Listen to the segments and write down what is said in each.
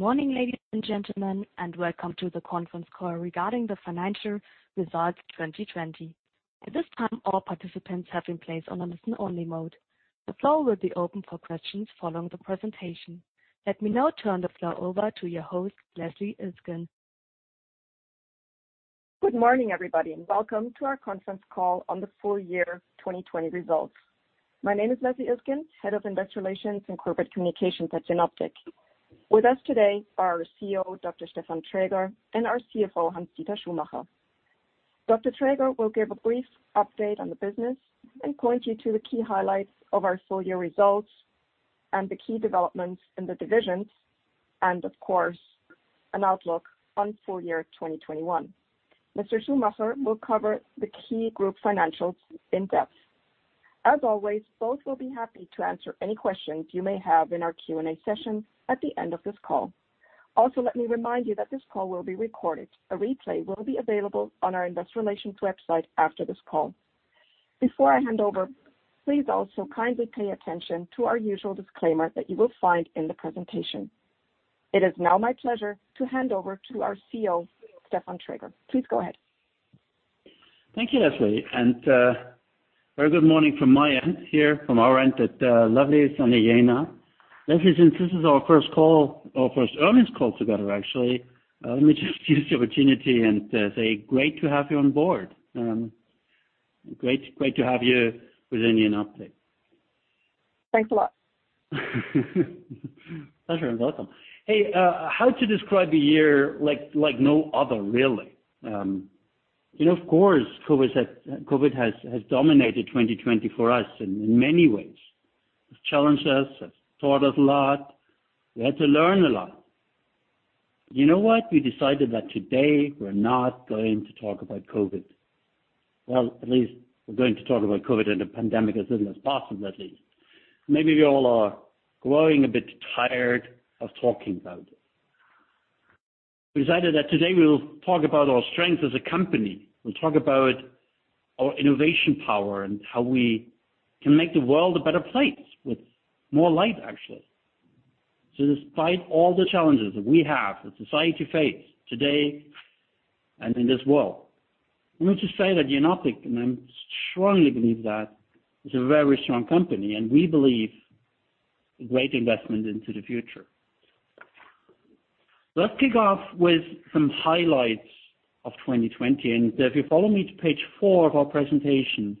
Good morning, ladies and gentlemen, and welcome to the conference call regarding the financial results 2020. Let me now turn the floor over to your host, Leslie Iltgen. Good morning, everybody. Welcome to our conference call on the full year 2020 results. My name is Leslie Iltgen, Head of Investor Relations and Corporate Communications at Jenoptik. With us today are our CEO, Dr. Stefan Traeger, and our CFO, Hans-Dieter Schumacher. Dr. Traeger will give a brief update on the business and point you to the key highlights of our full year results and the key developments in the divisions and, of course, an outlook on full year 2021. Mr. Schumacher will cover the key group financials in depth. As always, both will be happy to answer any questions you may have in our Q&A session at the end of this call. Let me remind you that this call will be recorded. A replay will be available on our investor relations website after this call. Before I hand over, please also kindly pay attention to our usual disclaimer that you will find in the presentation. It is now my pleasure to hand over to our CEO, Stefan Traeger. Please go ahead. Thank you, Leslie. A very good morning from my end here, from our end at lovely sunny Jena. Leslie, since this is our first call, our first earnings call together actually, let me just use the opportunity and say great to have you on board. Great to have you with Jenoptik. Thanks a lot. Pleasure and welcome. Hey, how to describe a year like no other, really? Of course, COVID-19 has dominated 2020 for us in many ways. It's challenged us, it's taught us a lot. We had to learn a lot. You know what? We decided that today we're not going to talk about COVID-19. Well, at least we're going to talk about COVID-19 and the pandemic as little as possible, at least. Maybe we all are growing a bit tired of talking about it. We decided that today we will talk about our strength as a company. We'll talk about our innovation power and how we can make the world a better place with more light, actually. Despite all the challenges that we have, that society faces today and in this world, let me just say that Jenoptik, and I strongly believe that, is a very strong company, and we believe a great investment into the future. Let's kick off with some highlights of 2020, and if you follow me to page four of our presentation,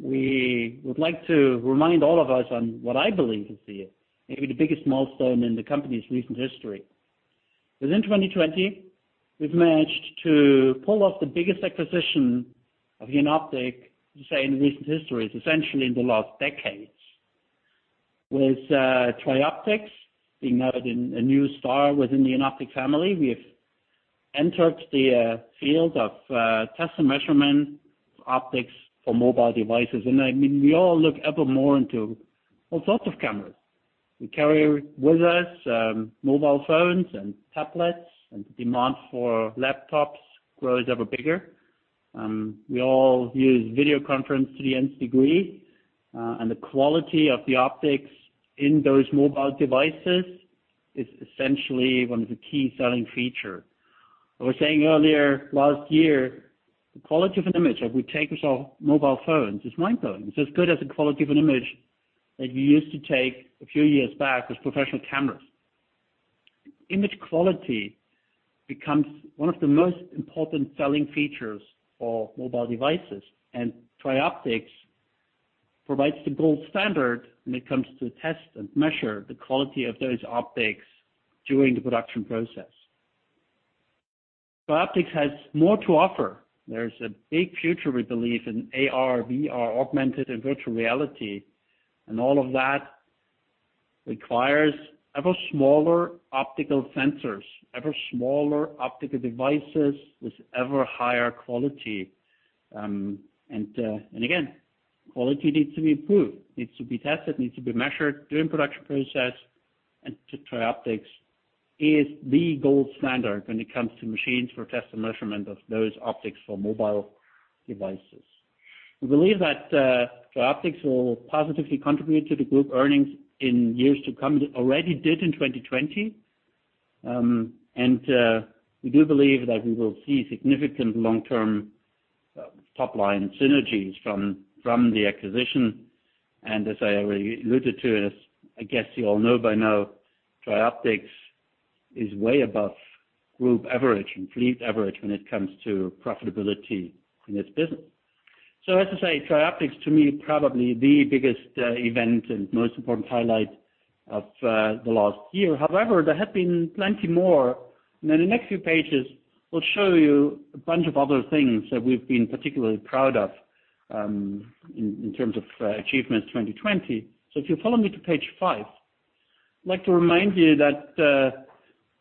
we would like to remind all of us on what I believe to be maybe the biggest milestone in the company's recent history. Within 2020, we've managed to pull off the biggest acquisition of Jenoptik, say, in recent history, essentially in the last decades. With Trioptics being added in a new star within the Jenoptik family, we have entered the field of test and measurement optics for mobile devices. We all look ever more into all sorts of cameras. We carry with us mobile phones and tablets, and demand for laptops grows ever bigger. We all use video conference to the Nth degree, and the quality of the optics in those mobile devices is essentially one of the key selling feature. I was saying earlier last year, the quality of an image that we take with our mobile phones is mind-blowing. It's as good as the quality of an image that you used to take a few years back with professional cameras. Image quality becomes one of the most important selling features for mobile devices, and Trioptics provides the gold standard when it comes to test and measure the quality of those optics during the production process. Trioptics has more to offer. There's a big future, we believe, in AR, VR, augmented and virtual reality, and all of that requires ever smaller optical sensors, ever smaller optical devices with ever higher quality. Again, quality needs to be improved, needs to be tested, needs to be measured during production process, and Trioptics is the gold standard when it comes to machines for test and measurement of those optics for mobile devices. We believe that Trioptics will positively contribute to the group earnings in years to come. It already did in 2020. We do believe that we will see significant long-term top-line synergies from the acquisition. As I already alluded to, and as I guess you all know by now, Trioptics is way above group average and fleet average when it comes to profitability in its business. As I say, Trioptics, to me, probably the biggest event and most important highlight of the last year. However, there have been plenty more, and in the next few pages, we'll show you a bunch of other things that we've been particularly proud of in terms of achievements 2020. If you follow me to page five, I'd like to remind you that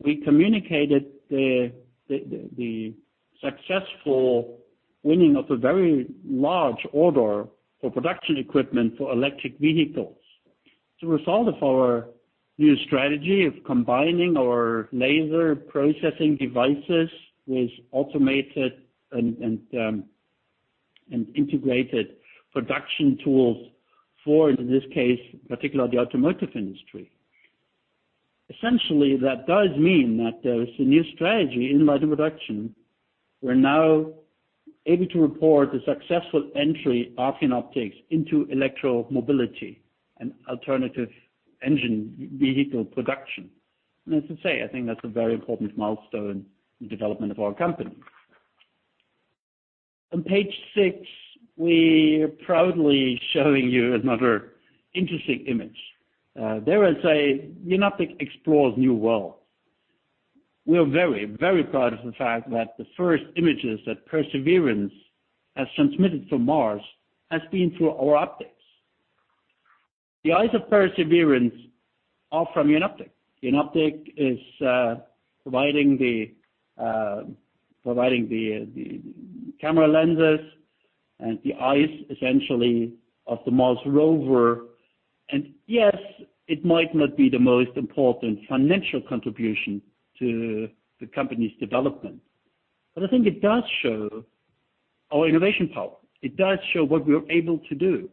we communicated the successful winning of a very large order for production equipment for electric vehicles. As a result of our new strategy of combining our laser processing devices with automated and integrated production tools for, in this case, particularly the automotive industry. Essentially, that does mean that there is a new strategy in Light & Production. We're now able to report the successful entry of Jenoptik into electro-mobility and alternative engine vehicle production. As I say, I think that's a very important milestone in development of our company. On page six, we are proudly showing you another interesting image. There I say, "Jenoptik explores new worlds." We are very proud of the fact that the first images that Perseverance has transmitted from Mars has been through our optics. The eyes of Perseverance are from Jenoptik. Jenoptik is providing the camera lenses and the eyes, essentially, of the Mars rover. Yes, it might not be the most important financial contribution to the company's development. I think it does show our innovation power. It does show what we are able to do.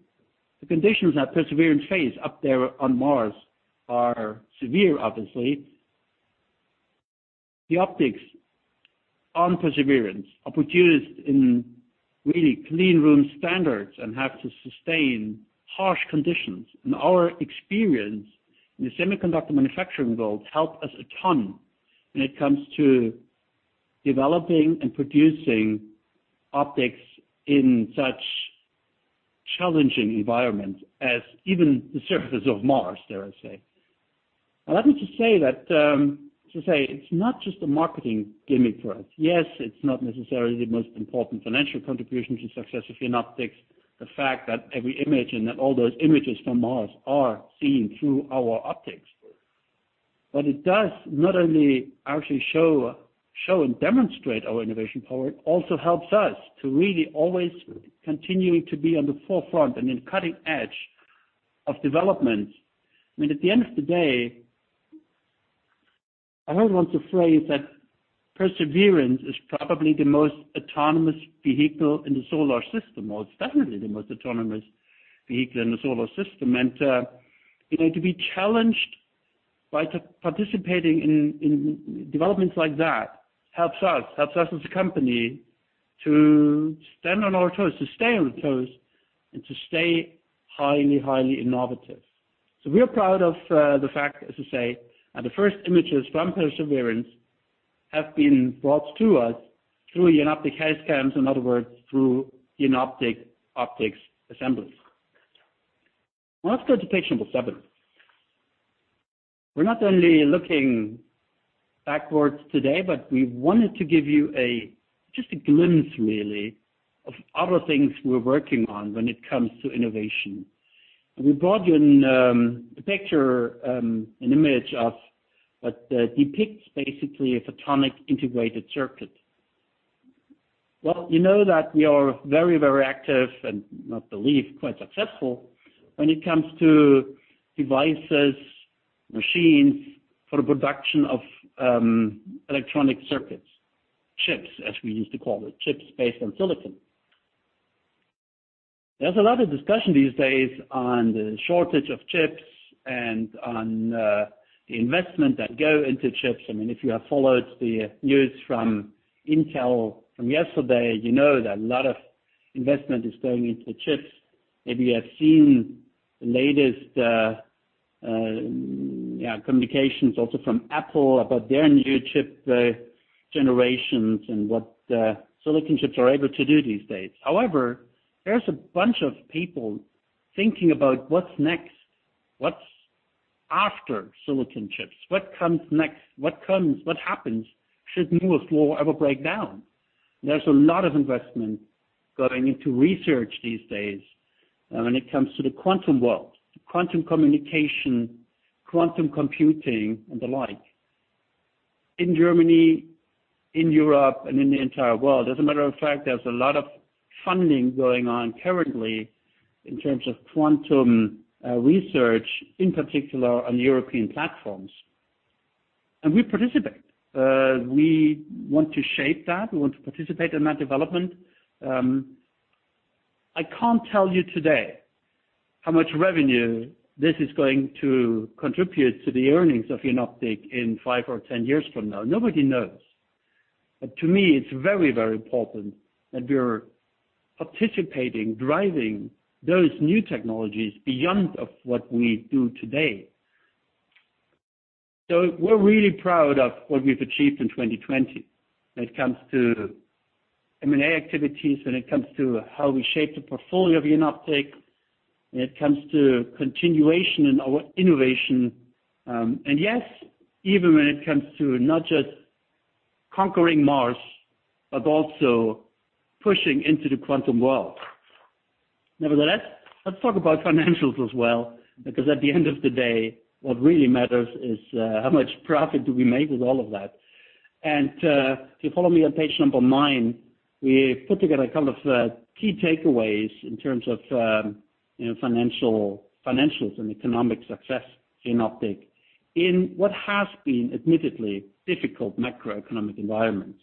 The conditions that Perseverance face up there on Mars are severe, obviously. The optics on Perseverance are produced in really clean room standards and have to sustain harsh conditions. Our experience in the semiconductor manufacturing world help us a ton when it comes to developing and producing optics in such challenging environment as even the surface of Mars, dare I say. Allow me to say, it's not just a marketing gimmick for us. Yes, it's not necessarily the most important financial contribution to success of Jenoptik, the fact that every image and that all those images from Mars are seen through our optics. It does not only actually show and demonstrate our innovation power. It also helps us to really always continuing to be on the forefront and in cutting edge of development. I mean, at the end of the day, I heard once a phrase that Perseverance is probably the most autonomous vehicle in the solar system, or it's definitely the most autonomous vehicle in the solar system. To be challenged by participating in developments like that helps us as a company to stand on our toes, to stay on our toes, and to stay highly innovative. We are proud of the fact, as I say, that the first images from Perseverance have been brought to us through Jenoptik HazCams, in other words, through Jenoptik optics assemblies. Now let's go to page number seven. We're not only looking backwards today, but we wanted to give you just a glimpse, really, of other things we're working on when it comes to innovation. We brought you the picture, an image of what depicts basically a photonic integrated circuit. Well, you know that we are very active and, must believe, quite successful when it comes to devices, machines for the production of electronic circuits. Chips, as we used to call it. Chips based on silicon. There's a lot of discussion these days on the shortage of chips and on the investment that go into chips. I mean, if you have followed the news from Intel from yesterday, you know that a lot of investment is going into chips. Maybe you have seen the latest communications also from Apple about their new chip generations and what silicon chips are able to do these days. However, there's a bunch of people thinking about what's next. What's after silicon chips? What comes next? What happens should Moore's law ever break down? There's a lot of investment going into research these days when it comes to the quantum world, to quantum communication, quantum computing and the like. In Germany, in Europe, and in the entire world, as a matter of fact, there's a lot of funding going on currently in terms of quantum research, in particular on European platforms. We participate. We want to shape that. We want to participate in that development. I can't tell you today how much revenue this is going to contribute to the earnings of Jenoptik in five or 10 years from now. Nobody knows. To me, it's very important that we're participating, driving those new technologies beyond of what we do today. We're really proud of what we've achieved in 2020 when it comes to M&A activities, when it comes to how we shape the portfolio of Jenoptik, when it comes to continuation in our innovation. Yes, even when it comes to not just conquering Mars, but also pushing into the quantum world. Nevertheless, let's talk about financials as well. Because at the end of the day, what really matters is, how much profit do we make with all of that? If you follow me on page nine, we put together a couple of key takeaways in terms of financials and economic success Jenoptik in what has been admittedly difficult macroeconomic environment.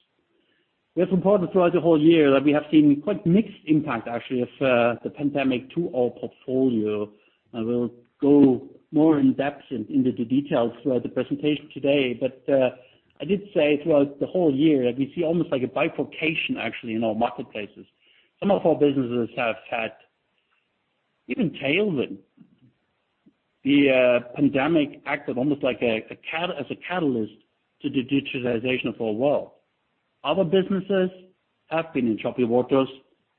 It's important throughout the whole year that we have seen quite mixed impact, actually, of the pandemic to our portfolio, and we'll go more in depth into the details throughout the presentation today. I did say throughout the whole year that we see almost like a bifurcation, actually, in our marketplaces. Some of our businesses have had even tailwinds. The pandemic acted almost like as a catalyst to the digitalization of our world. Other businesses have been in choppy waters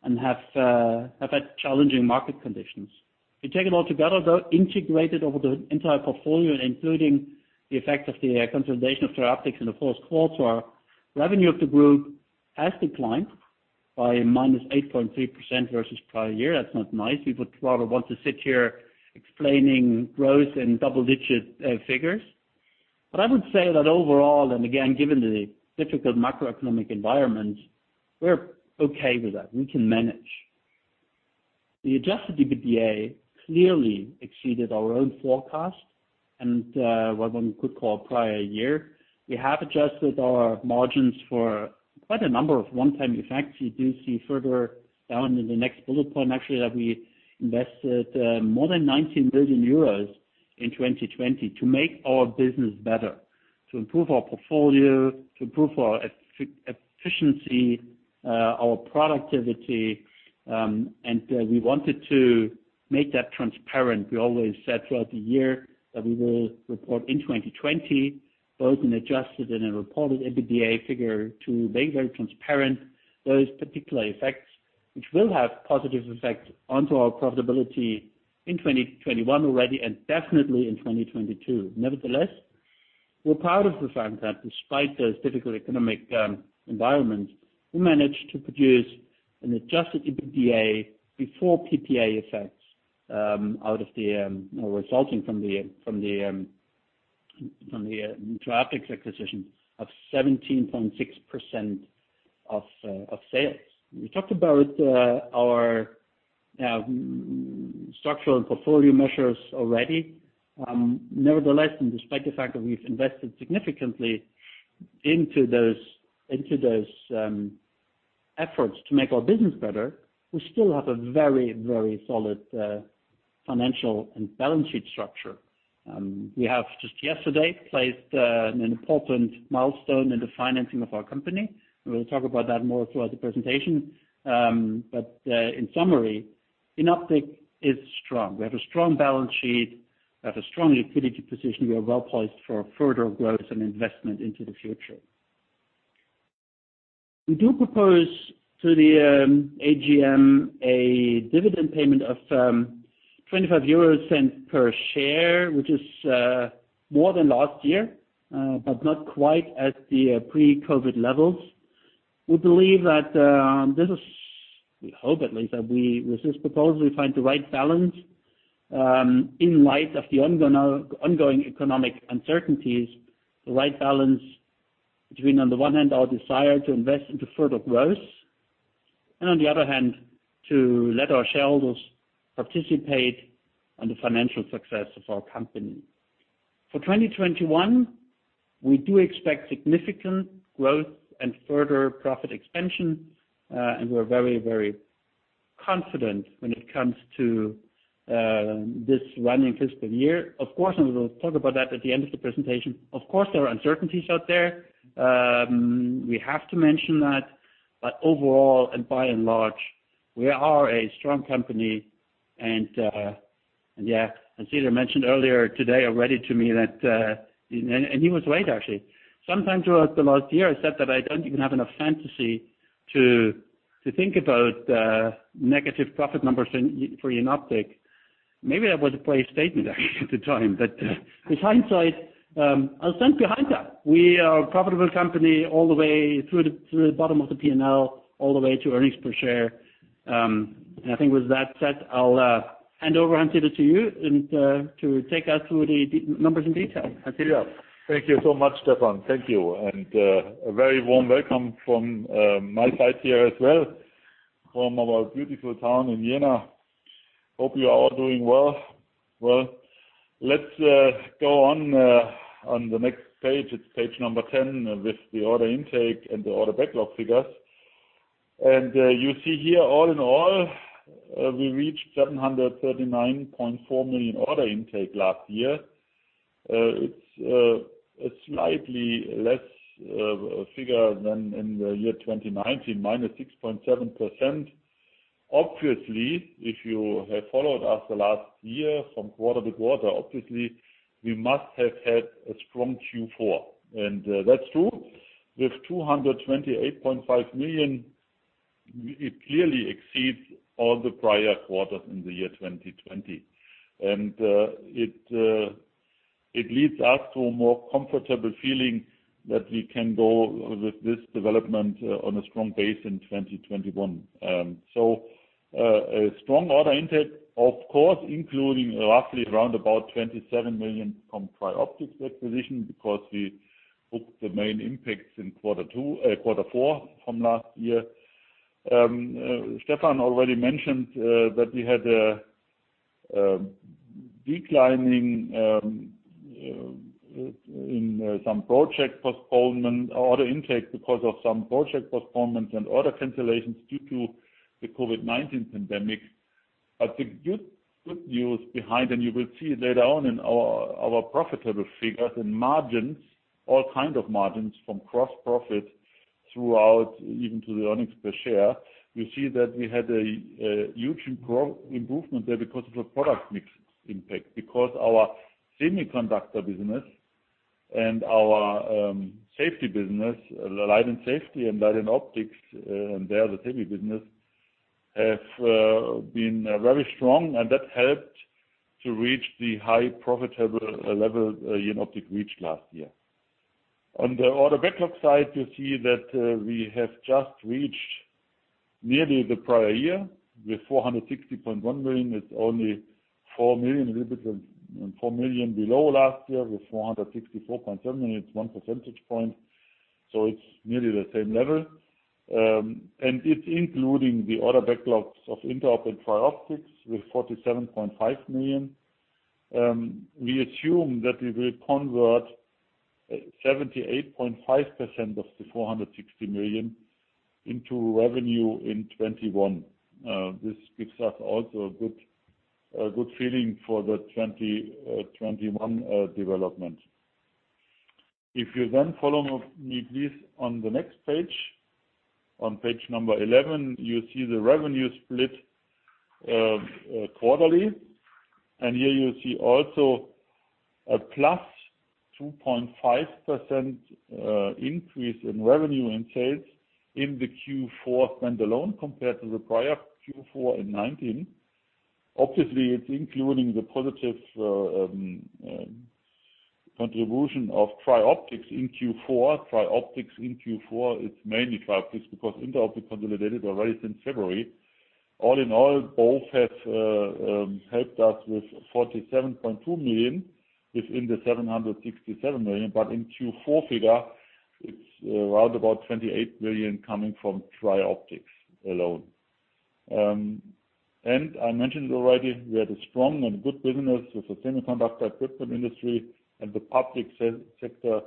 and have had challenging market conditions. If you take it all together, though, integrated over the entire portfolio, including the effect of the consolidation of Trioptics in the fourth quarter, revenue of the group has declined by -8.3% versus prior year. That's not nice. We would rather want to sit here explaining growth in double-digit figures. I would say that overall, and again, given the difficult macroeconomic environment, we're okay with that. We can manage. The adjusted EBITDA clearly exceeded our own forecast and what one could call prior year. We have adjusted our margins for quite a number of one-time effects. You do see further down in the next bullet point, actually, that we invested more than 19 million euros in 2020 to make our business better, to improve our portfolio, to improve our efficiency, our productivity, and we wanted to make that transparent. We always said throughout the year that we will report in 2020 both an adjusted and a reported EBITDA figure to be very transparent. Those particular effects, which will have positive effects onto our profitability in 2021 already and definitely in 2022. Nevertheless, we're proud of the fact that despite those difficult economic environment, we managed to produce an adjusted EBITDA before PPA effects resulting from the Trioptics acquisition of 17.6% of sales. We talked about our structural portfolio measures already. Nevertheless, and despite the fact that we've invested significantly into those efforts to make our business better, we still have a very solid financial and balance sheet structure. We have just yesterday placed an important milestone in the financing of our company. We'll talk about that more throughout the presentation. In summary, Jenoptik is strong. We have a strong balance sheet, we have a strong liquidity position. We are well-poised for further growth and investment into the future. We do propose to the AGM a dividend payment of 0.25 euros per share, which is more than last year, but not quite at the pre-COVID levels. We believe that We hope at least that we, with this proposal, we find the right balance in light of the ongoing economic uncertainties, the right balance between, on the one hand, our desire to invest into further growth, and on the other hand, to let our shareholders participate on the financial success of our company. For 2021, we do expect significant growth and further profit expansion, and we're very confident when it comes to this running fiscal year. Of course, we will talk about that at the end of the presentation. Of course, there are uncertainties out there. We have to mention that. Overall, and by and large, we are a strong company and, yeah, as Dieter mentioned earlier today already to me. He was right, actually. Sometime throughout the last year, I said that I don't even have enough fantasy to think about negative profit numbers for Jenoptik. Maybe that was a brave statement actually at the time, but with hindsight, I'll stand behind that. We are a profitable company all the way through the bottom of the P&L, all the way to earnings per share. I think with that said, I'll hand over, Hans-Dieter, to you, and to take us through the numbers in detail. Hans-Dieter. Thank you so much, Stefan. Thank you. A very warm welcome from my side here as well, from our beautiful town in Jena. Hope you are all doing well. Let's go on the next page. It's page number 10 with the order intake and the order backlog figures. You see here, all in all, we reached 739.4 million order intake last year. It's a slightly less figure than in the year 2019, -6.7%. Obviously, if you have followed us the last year from quarter-to-quarter, obviously, we must have had a strong Q4. That's true. With 228.5 million, it clearly exceeds all the prior quarters in the year 2020. It leads us to a more comfortable feeling that we can go with this development on a strong base in 2021. A strong order intake, of course, including roughly around about 27 million from Trioptics acquisition because we booked the main impacts in quarter four from last year. Stefan already mentioned that we had a decline in some project postponement or order intake because of some project postponement and order cancellations due to the COVID-19 pandemic. The good news behind, and you will see later on in our profitable figures and margins, all kind of margins from gross profit throughout, even to the earnings per share. You see that we had a huge improvement there because of the product mix impact, because our semiconductor business and our safety business, Light & Safety and Light & Optics, and there the heavy business, have been very strong, and that helped to reach the high profitable level Jenoptik reached last year. On the order backlog side, you see that we have just reached nearly the prior year with 460.1 million. It's only 4 million below last year with 464.7 million. It's one percentage point, so it's nearly the same level. It's including the order backlogs of INTEROB and Trioptics with 47.5 million. We assume that we will convert 78.5% of the 460 million into revenue in 2021. This gives us also a good feeling for the 2021 development. If you then follow me, please, on the next page. On page number 11, you see the revenue split quarterly. Here you see also a +2.5% increase in revenue and sales in the Q4 standalone compared to the prior Q4 in 2019. Obviously, it's including the positive contribution of Trioptics in Q4. Trioptics in Q4, it's mainly Trioptics because INTEROB consolidated already since February. All in all, both have helped us with 47.2 million within the 767 million. In Q4 figure, it's around about 28 million coming from Trioptics alone. I mentioned already, we had a strong and good business with the semiconductor equipment industry and the public sector,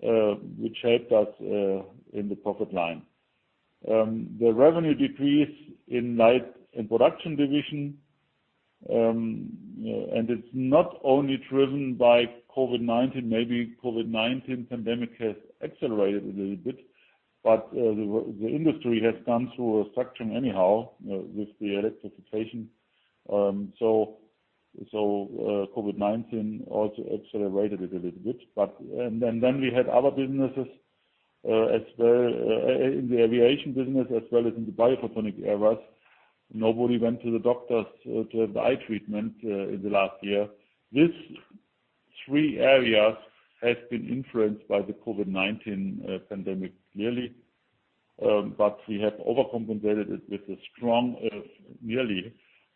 which helped us in the profit line. The revenue decrease in Light & Production division, it's not only driven by COVID-19. Maybe COVID-19 pandemic has accelerated a little bit. The industry has gone through a structuring anyhow with the electrification. COVID-19 also accelerated it a little bit. We had other businesses in the aviation business as well as in the biophotonic areas. Nobody went to the doctors to have the eye treatment in the last year. These three areas have been influenced by the COVID-19 pandemic, clearly. We have overcompensated it with a strong, nearly.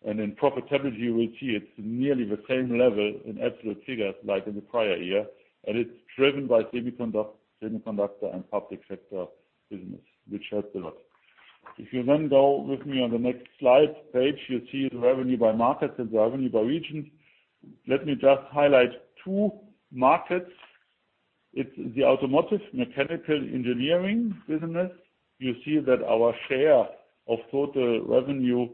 In profitability, you will see it's nearly the same level in absolute figures like in the prior year. It's driven by semiconductor and public sector business, which helped a lot. If you then go with me on the next slide page, you see the revenue by market and the revenue by region. Let me just highlight two markets. It's the automotive mechanical engineering business. You see that our share of total revenue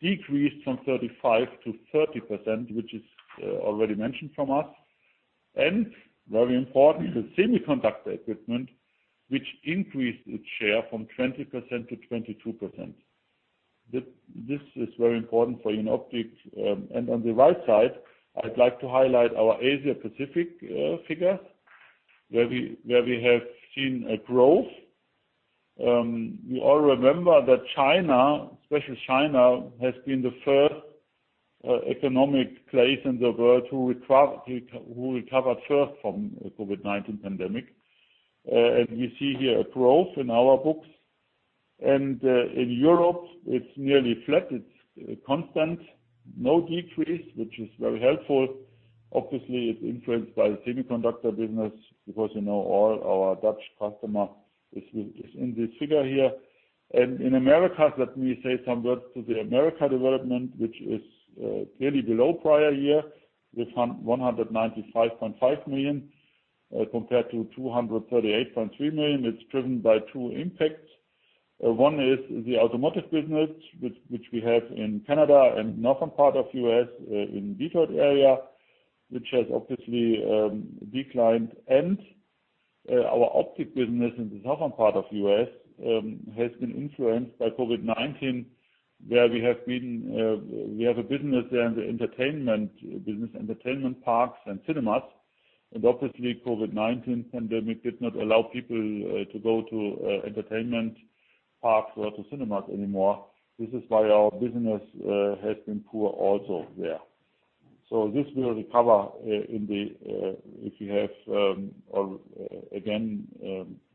decreased from 35%-30%, which is already mentioned from us. Very important, the semiconductor equipment, which increased its share from 20%-22%. This is very important for Jenoptik. On the right side, I'd like to highlight our Asia Pacific figure, where we have seen a growth. You all remember that China, especially China, has been the first economic place in the world who recovered first from COVID-19 pandemic. We see here a growth in our books. In Europe, it's nearly flat. It's constant. No decrease, which is very helpful. Obviously, it's influenced by the semiconductor business because you know all our Dutch customer is in this figure here. In Americas, let me say some words to the America development, which is clearly below prior year with 195.5 million compared to 238.3 million. It's driven by two impacts. One is the automotive business, which we have in Canada and northern part of the U.S. in Detroit area, which has obviously declined. Our optic business in the southern part of the U.S. has been influenced by COVID-19, where we have a business there in the entertainment business, entertainment parks and cinemas. Obviously, COVID-19 pandemic did not allow people to go to entertainment parks or to cinemas anymore. This is why our business has been poor also there. This will recover if you have, again,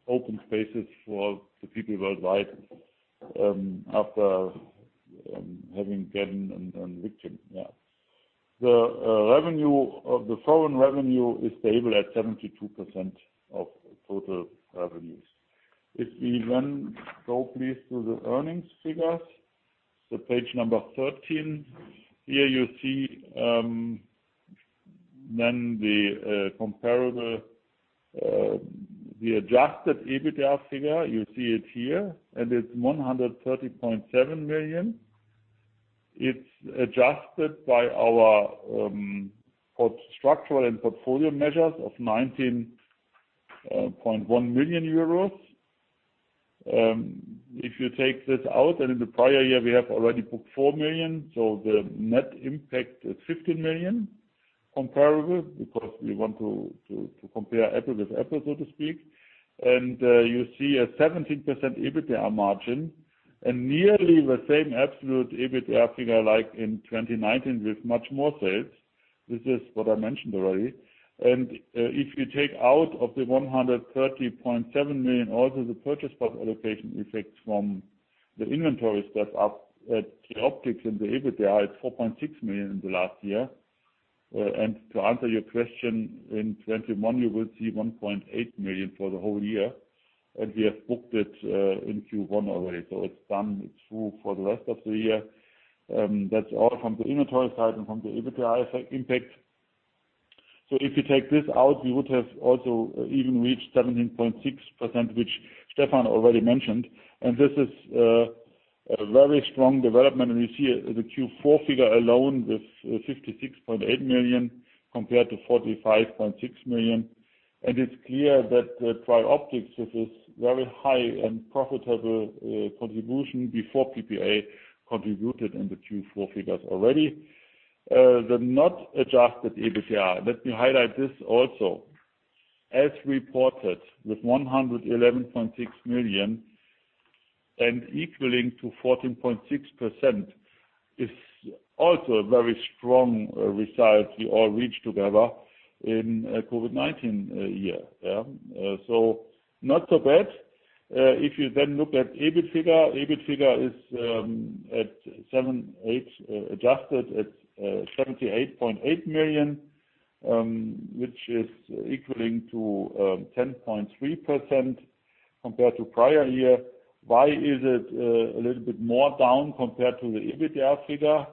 open spaces for the people worldwide after having gotten a vaccine. Yeah. The foreign revenue is stable at 72% of total revenues. If we then go please to the earnings figures, so page 13. Here you see then the comparable, the adjusted EBITDA figure, you see it here, and it's 130.7 million. It's adjusted by our structural and portfolio measures of 19.1 million euros. If you take this out, and in the prior year, we have already put 4 million, so the net impact is 15 million comparable, because we want to compare apple with apple, so to speak. You see a 17% EBITDA margin and nearly the same absolute EBITDA figure like in 2019 with much more sales. This is what I mentioned already. If you take out of the 130.7 million also the purchase price allocation effects from the inventory step up at Jenoptik, the EBITDA is 4.6 million in the last year. To answer your question, in 2021, you will see 1.8 million for the whole year, and we have booked it in Q1 already. It's done. It's through for the rest of the year. That's all from the inventory side and from the EBITDA impact. If you take this out, we would have also even reached 17.6%, which Stefan already mentioned. This is a very strong development, and we see the Q4 figure alone with 56.8 million compared to 45.6 million. It's clear that Trioptics, with its very high and profitable contribution before PPA, contributed in the Q4 figures already. The not adjusted EBITDA, let me highlight this also. As reported with 111.6 million and equaling to 14.6% is also a very strong result we all reached together in a COVID-19 year. Not so bad. If you look at EBIT figure, EBIT is adjusted at 78.8 million, which is equaling to 10.3% compared to prior year. Why is it a little bit more down compared to the EBITDA figure?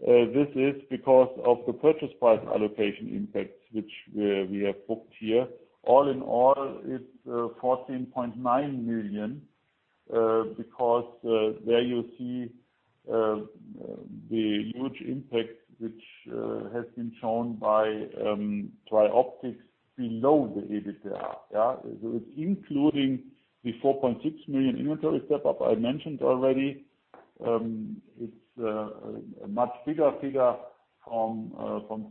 This is because of the purchase price allocation impacts which we have booked here. All in all, it's 14.9 million, because there you see the huge impact which has been shown by Trioptics below the EBITDA. It's including the 4.6 million inventory step up I mentioned already. It's a much bigger figure from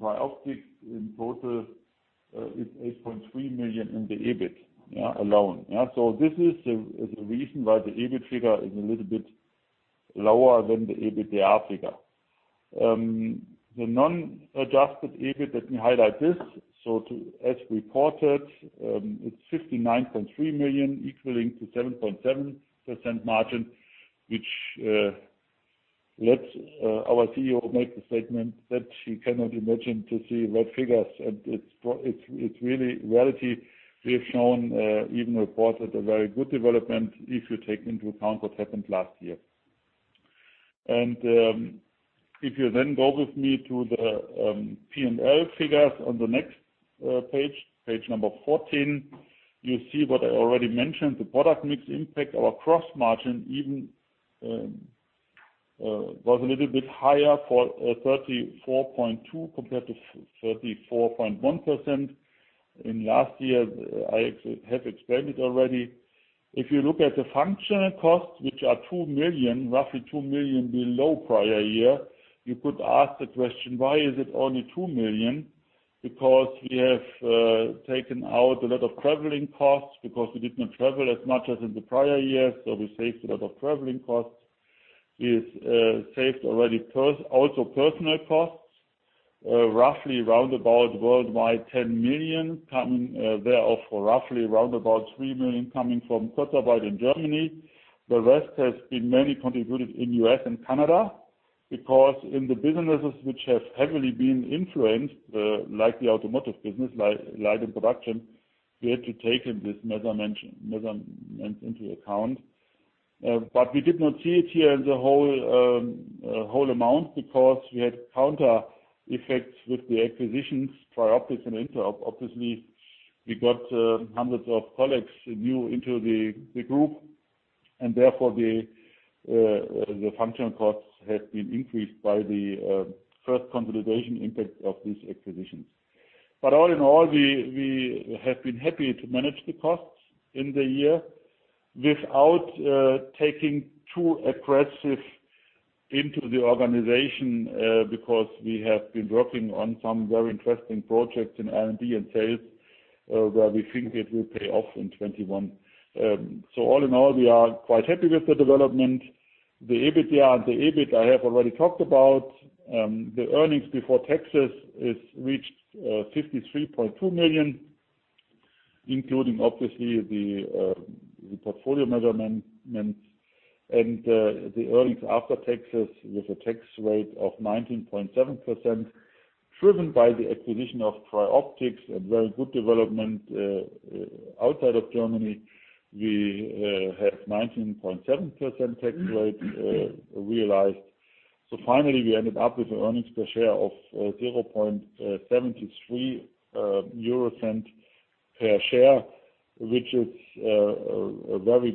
Trioptics. In total, it's 8.3 million in the EBIT alone. This is the reason why the EBIT figure is a little bit lower than the EBITDA figure. The non-adjusted EBIT, let me highlight this. As reported, it's 59.3 million equaling to 7.7% margin, which lets our CEO make the statement that she cannot imagine to see red figures. It's really we have shown, even reported a very good development if you take into account what happened last year. If you then go with me to the P&L figures on the next page number 14, you see what I already mentioned, the product mix impact our gross margin even was a little bit higher for 34.2% compared to 34.1% in last year. I have explained it already. If you look at the functional costs, which are 2 million, roughly 2 million below prior year, you could ask the question, why is it only 2 million? Because we have taken out a lot of traveling costs because we did not travel as much as in the prior years. We saved a lot of traveling costs. We have saved already also personal costs, roughly around about worldwide 10 million coming there of roughly around about 3 million coming from Kurzarbeit in Germany. The rest has been mainly contributed in U.S. and Canada because in the businesses which have heavily been influenced, like the automotive business, like Light & Production, we had to take this measurement into account. We did not see it here as a whole amount because we had counter effects with the acquisitions, Trioptics and INTEROB. Obviously, we got hundreds of colleagues new into the group, and therefore the functional costs have been increased by the first consolidation impact of these acquisitions. All in all, we have been happy to manage the costs in the year without taking too aggressive into the organization, because we have been working on some very interesting projects in R&D and sales, where we think it will pay off in 2021. All in all, we are quite happy with the development. The EBITDA and the EBIT I have already talked about. The earnings before taxes reached 53.2 million. Including, obviously, the portfolio measurements and the earnings after taxes with a tax rate of 19.7%, driven by the acquisition of Trioptics and very good development outside of Germany. We have 19.7% tax rate realized. Finally, we ended up with an earnings per share of 0.73 per share, which is a very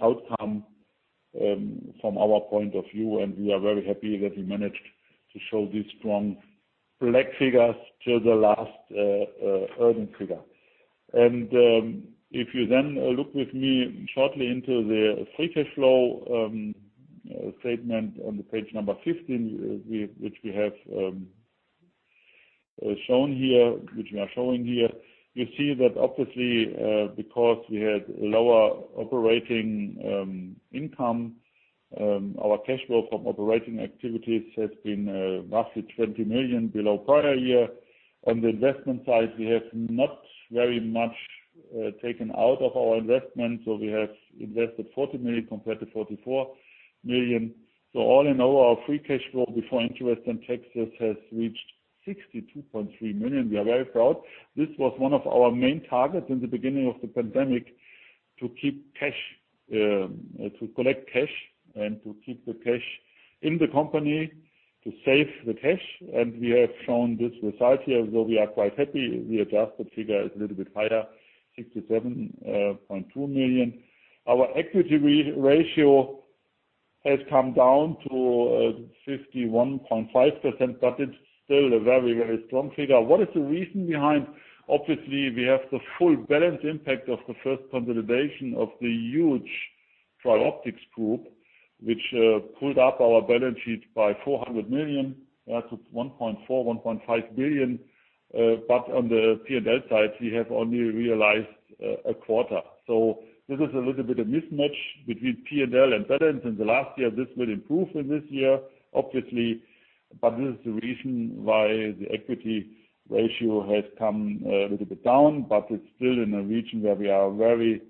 good outcome from our point of view, and we are very happy that we managed to show these strong black figures to the last earning figure. If you then look with me shortly into the free cash flow statement on page 15, which we are showing here. You see that obviously, because we had lower operating income, our cash flow from operating activities has been roughly 20 million below prior year. On the investment side, we have not very much taken out of our investment. We have invested 40 million compared to 44 million. All in all, our free cash flow before interest and taxes has reached 62.3 million. We are very proud. This was one of our main targets in the beginning of the pandemic, to collect cash and to keep the cash in the company, to save the cash. We have shown this result here. We are quite happy. The adjusted figure is a little bit higher, 67.2 million. Our equity ratio has come down to 51.5%. It's still a very strong figure. What is the reason behind? Obviously, we have the full balance impact of the first consolidation of the huge Trioptics group, which pulled up our balance sheet by 400 million to 1.4 billion-1.5 billion. On the P&L side, we have only realized a quarter. This is a little bit of mismatch between P&L and balance in the last year. This will improve in this year, obviously. This is the reason why the equity ratio has come a little bit down. It's still in a region where we are very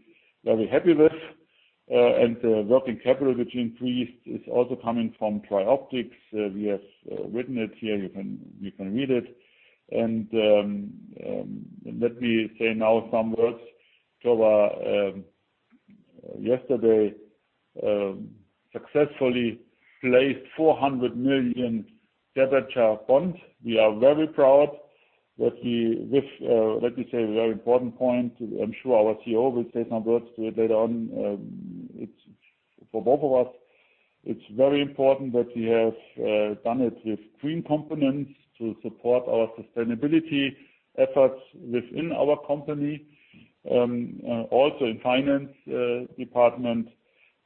happy with. The working capital, which increased, is also coming from Trioptics. We have written it here, you can read it. Let me say now some words to our yesterday successfully placed 400 million debenture bond. We are very proud that, let me say a very important point, I'm sure our CEO will say some words to it later on. For both of us, it's very important that we have done it with green components to support our sustainability efforts within our company. Also in finance department,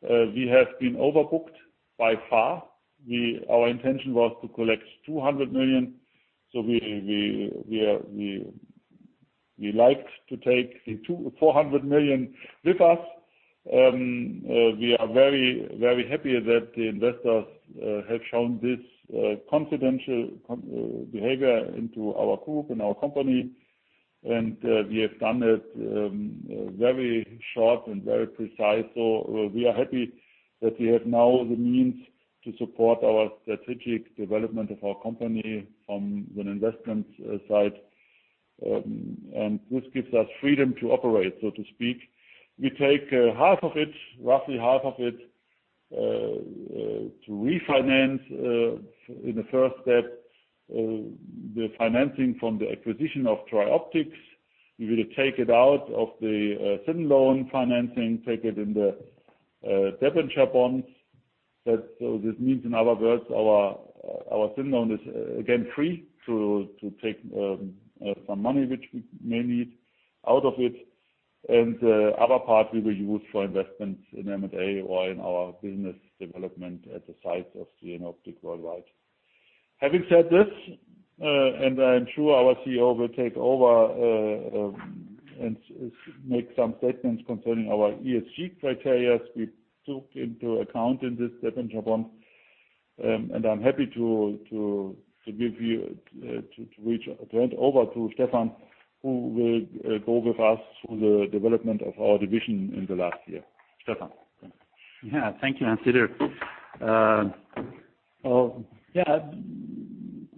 we have been overbooked by far. Our intention was to collect 200 million. We liked to take the 400 million with us. We are very happy that the investors have shown this confident behavior into our group and our company. We have done it very short and very precise. We are happy that we have now the means to support our strategic development of our company from an investment side. This gives us freedom to operate, so to speak. We take half of it, roughly half of it, to refinance in the first step the financing from the acquisition of Trioptics. We will take it out of the syn loan financing, take it in the debenture bonds. This means, in other words, our syn loan is again free to take some money which we may need out of it. The other part we will use for investments in M&A or in our business development at the sites of Jenoptik worldwide. Having said this, I am sure our CEO will take over and make some statements concerning our ESG criteria we took into account in this debenture bond. I'm happy to hand over to Stefan, who will go with us through the development of our division in the last year. Stefan? Thank you, Hans-Dieter.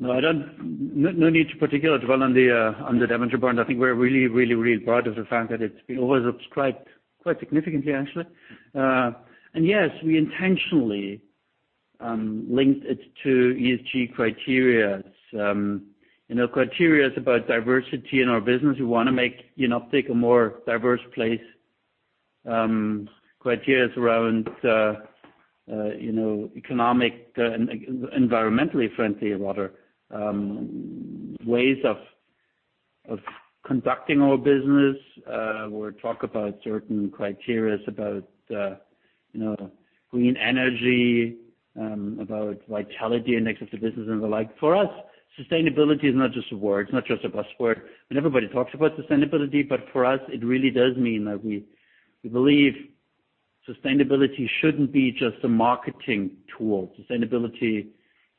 No need to particular to dwell on the debenture bond. I think we're really proud of the fact that it's been always subscribed quite significantly, actually. Yes, we intentionally linked it to ESG criterias. Criterias about diversity in our business. We want to make Jenoptik a more diverse place. Criterias around economic and environmentally friendly, rather, ways of conducting our business. Talk about certain criterias about green energy, about vitality and exit the business and the like. For us, sustainability is not just a word, it's not just a buzzword. Everybody talks about sustainability, for us, it really does mean that we believe Sustainability shouldn't be just a marketing tool. Sustainability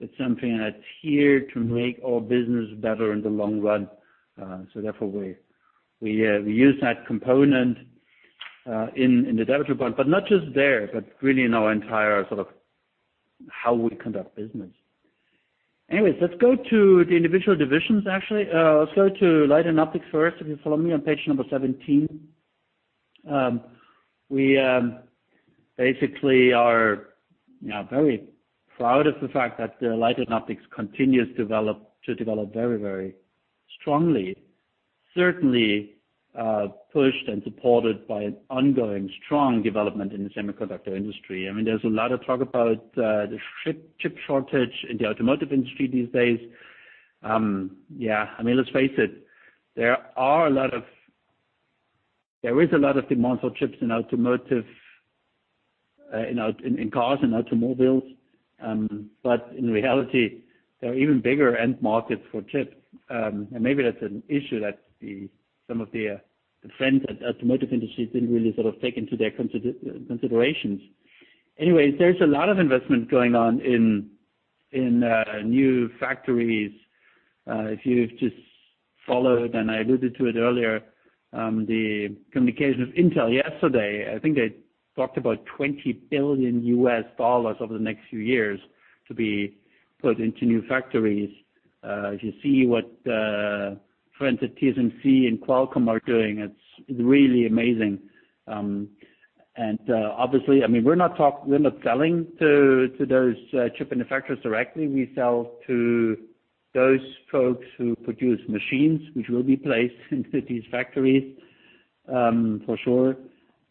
is something that's here to make our business better in the long run. Therefore, we use that component in the data point, but not just there, but really in our entire how we conduct business. Anyways, let's go to the individual divisions, actually. Let's go to Light & Optics first. If you follow me on page number 17. We basically are very proud of the fact that the Light & Optics continues to develop very strongly. Certainly, pushed and supported by an ongoing strong development in the semiconductor industry. There's a lot of talk about the chip shortage in the automotive industry these days. Let's face it, there is a lot of demand for chips in automotive, in cars and automobiles. In reality, there are even bigger end markets for chips. Maybe that's an issue that some of the friends at the automotive industry didn't really take into their considerations. There's a lot of investment going on in new factories. If you've just followed, and I alluded to it earlier, the communication of Intel yesterday. I think they talked about $20 billion over the next few years to be put into new factories. If you see what friends at TSMC and Qualcomm are doing, it's really amazing. Obviously, we're not selling to those chip manufacturers directly. We sell to those folks who produce machines which will be placed into these factories, for sure.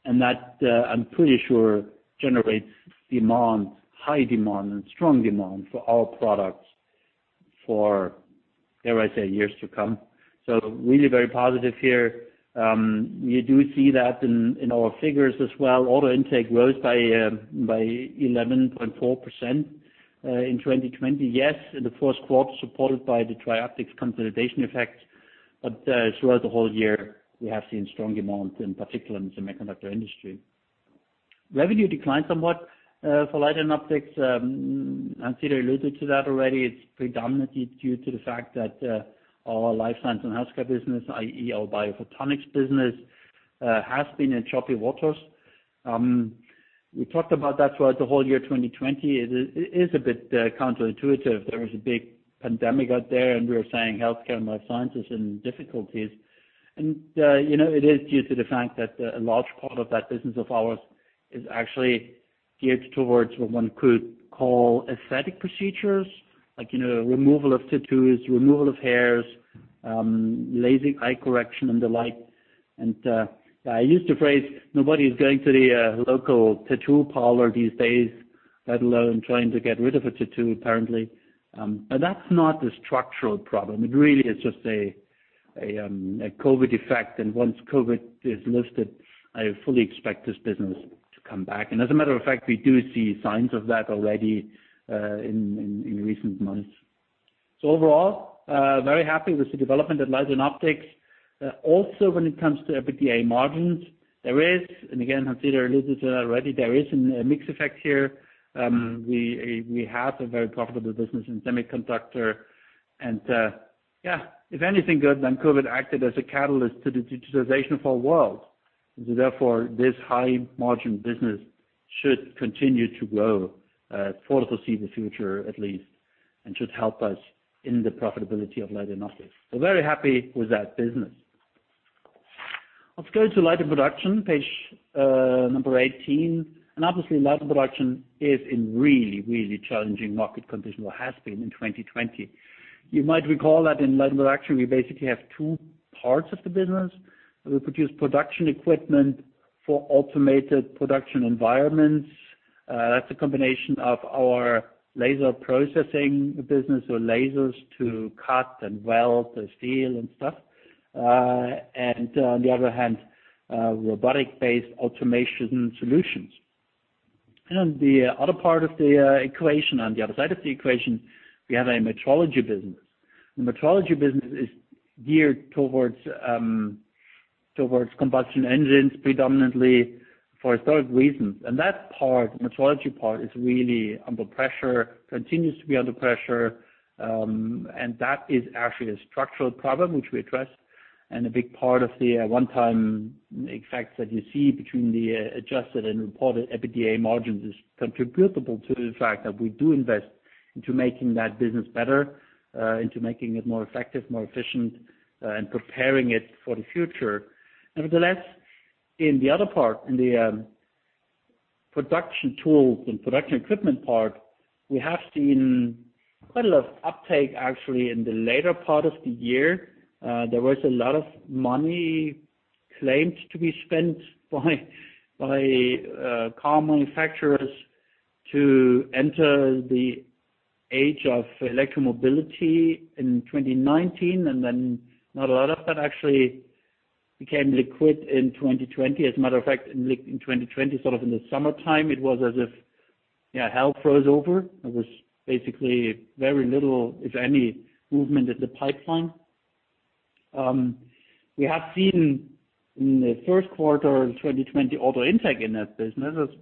That, I'm pretty sure, generates high demand and strong demand for our products for, dare I say, years to come. Really very positive here. You do see that in our figures as well. Order intake rose by 11.4% in 2020. Yes, in the first quarter, supported by the Trioptics consolidation effect. Throughout the whole year, we have seen strong demand, in particular in the semiconductor industry. Revenue declined somewhat for Light & Optics. Hans-Dieter alluded to that already. It's predominantly due to the fact that our life science and healthcare business, i.e., our biophotonics business, has been in choppy waters. We talked about that throughout the whole year 2020. It is a bit counterintuitive. There is a big pandemic out there, and we are saying healthcare and life science is in difficulties. It is due to the fact that a large part of that business of ours is actually geared towards what one could call aesthetic procedures, like removal of tattoos, removal of hairs, LASIK eye correction and the like. I use the phrase, nobody is going to the local tattoo parlor these days, let alone trying to get rid of a tattoo, apparently. That's not a structural problem. It really is just a COVID-19 effect. Once COVID-19 is lifted, I fully expect this business to come back. As a matter of fact, we do see signs of that already in recent months. Overall, very happy with the development at Light & Optics. Also, when it comes to EBITDA margins, there is, and again, Hans-Dieter alluded to that already, there is a mix effect here. We have a very profitable business in semiconductor. If anything good, then COVID-19 acted as a catalyst to the digitalization of our world. Therefore, this high margin business should continue to grow, foreseeable future at least, and should help us in the profitability of Light & Optics. Very happy with that business. Let's go to Light & Production, page 18. Obviously, Light & Production is in really challenging market condition, or has been in 2020. You might recall that in Light & Production, we basically have two parts of the business. We produce production equipment for automated production environments. That's a combination of our laser processing business or lasers to cut and weld the steel and stuff. On the other hand, robotic-based automation solutions. The other part of the equation, on the other side of the equation, we have a metrology business. The metrology business is geared towards combustion engines predominantly for historic reasons. That part, metrology part, is really under pressure, continues to be under pressure. That is actually a structural problem which we address. A big part of the one-time effects that you see between the adjusted and reported EBITDA margins is attributable to the fact that we do invest into making that business better, into making it more effective, more efficient, and preparing it for the future. Nevertheless, in the other part, in the production tools and production equipment part, we have seen quite a lot of uptake actually in the later part of the year. There was a lot of money claimed to be spent by car manufacturers to enter the age of electric mobility in 2019. Not a lot of that actually became liquid in 2020. As a matter of fact, in 2020, sort of in the summertime, it was as if hell froze over. There was basically very little, if any, movement in the pipeline. We have seen in the first quarter of 2020 order intake in that business. There was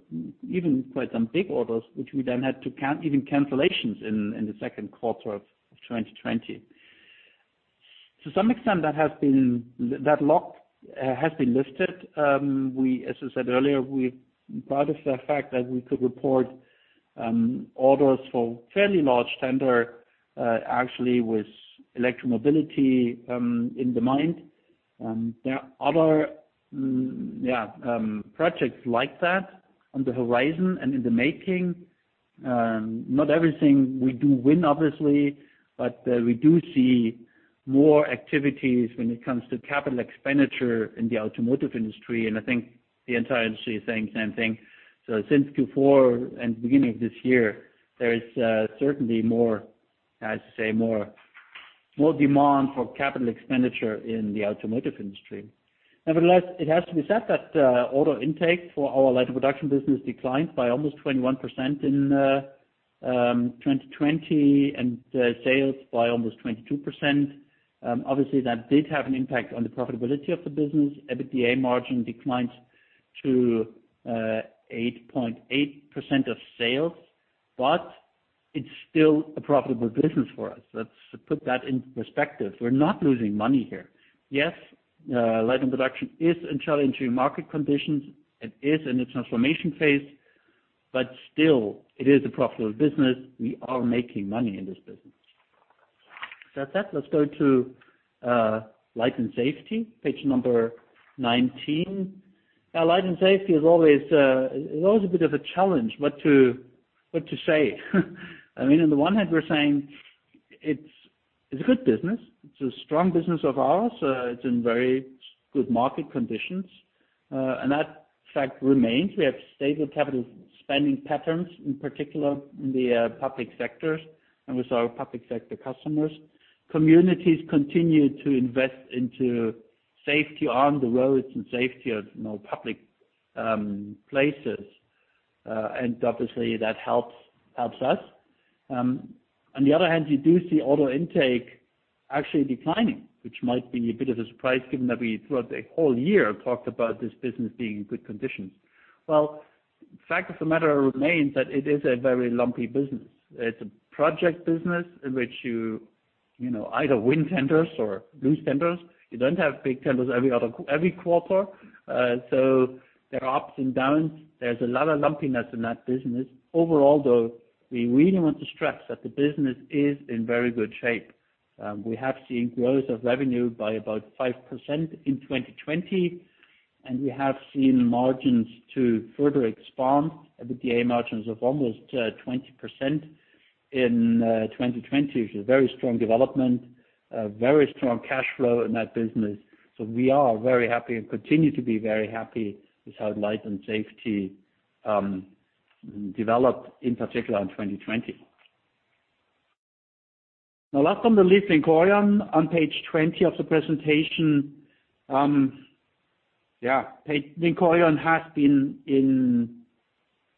even quite some big orders, which we then had to count even cancellations in the second quarter of 2020. To some extent, that lock has been lifted. As I said earlier, part of the fact that we could report orders for fairly large tender, actually with electric mobility in the mind. There are other projects like that on the horizon and in the making. Not everything we do win, obviously, but we do see more activities when it comes to capital expenditure in the automotive industry, and I think the entire industry is saying the same thing. Since Q4 and the beginning of this year, there is certainly more demand for capital expenditure in the automotive industry. Nevertheless, it has to be said that order intake for our Light & Production business declined by almost 21% in 2020, and sales by almost 22%. Obviously, that did have an impact on the profitability of the business. EBITDA margin declined to 8.8% of sales, but it's still a profitable business for us. Let's put that into perspective. We're not losing money here. Yes, Light & Production is in challenging market conditions, it is in its transformation phase, but still, it is a profitable business. We are making money in this business. With that said, let's go to Light & Safety, page number 19. Now, Light & Safety is always a bit of a challenge, what to say. On the one hand, we're saying it's a good business. It's a strong business of ours. It's in very good market conditions. That fact remains. We have stable capital spending patterns, in particular in the public sectors and with our public sector customers. Communities continue to invest into safety on the roads and safety at public places. Obviously, that helps us. On the other hand, you do see order intake actually declining, which might be a bit of a surprise given that we, throughout the whole year, talked about this business being in good conditions. Well, fact of the matter remains that it is a very lumpy business. It's a project business in which you either win tenders or lose tenders. You don't have big tenders every quarter, so there are ups and downs. There's a lot of lumpiness in that business. Overall, though, we really want to stress that the business is in very good shape. We have seen growth of revenue by about 5% in 2020, and we have seen margins to further expand. EBITDA margins of almost 20% in 2020, which is very strong development, very strong cash flow in that business. We are very happy and continue to be very happy with how Light & Safety developed, in particular in 2020. Now, last on the list, Vincorion on page 20 of the presentation. Vincorion has been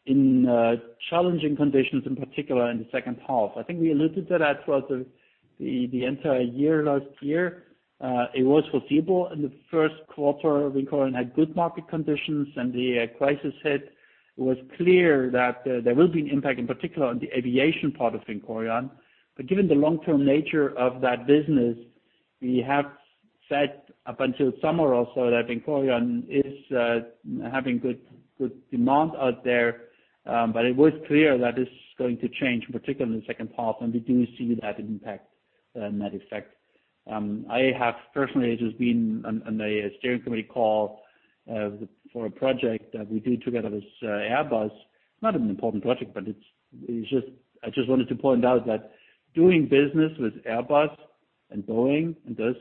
in challenging conditions, in particular in the second half. I think we alluded to that throughout the entire year last year. It was foreseeable in the first quarter, Vincorion had good market conditions and the crisis hit. It was clear that there will be an impact, in particular on the aviation part of Vincorion. Given the long-term nature of that business, we have said up until summer also that Vincorion is having good demand out there. It was clear that it's going to change, particularly in the second half, and we do see that impact and that effect. I have personally just been on a steering committee call for a project that we do together with Airbus. Not an important project, but I just wanted to point out that doing business with Airbus and Boeing and those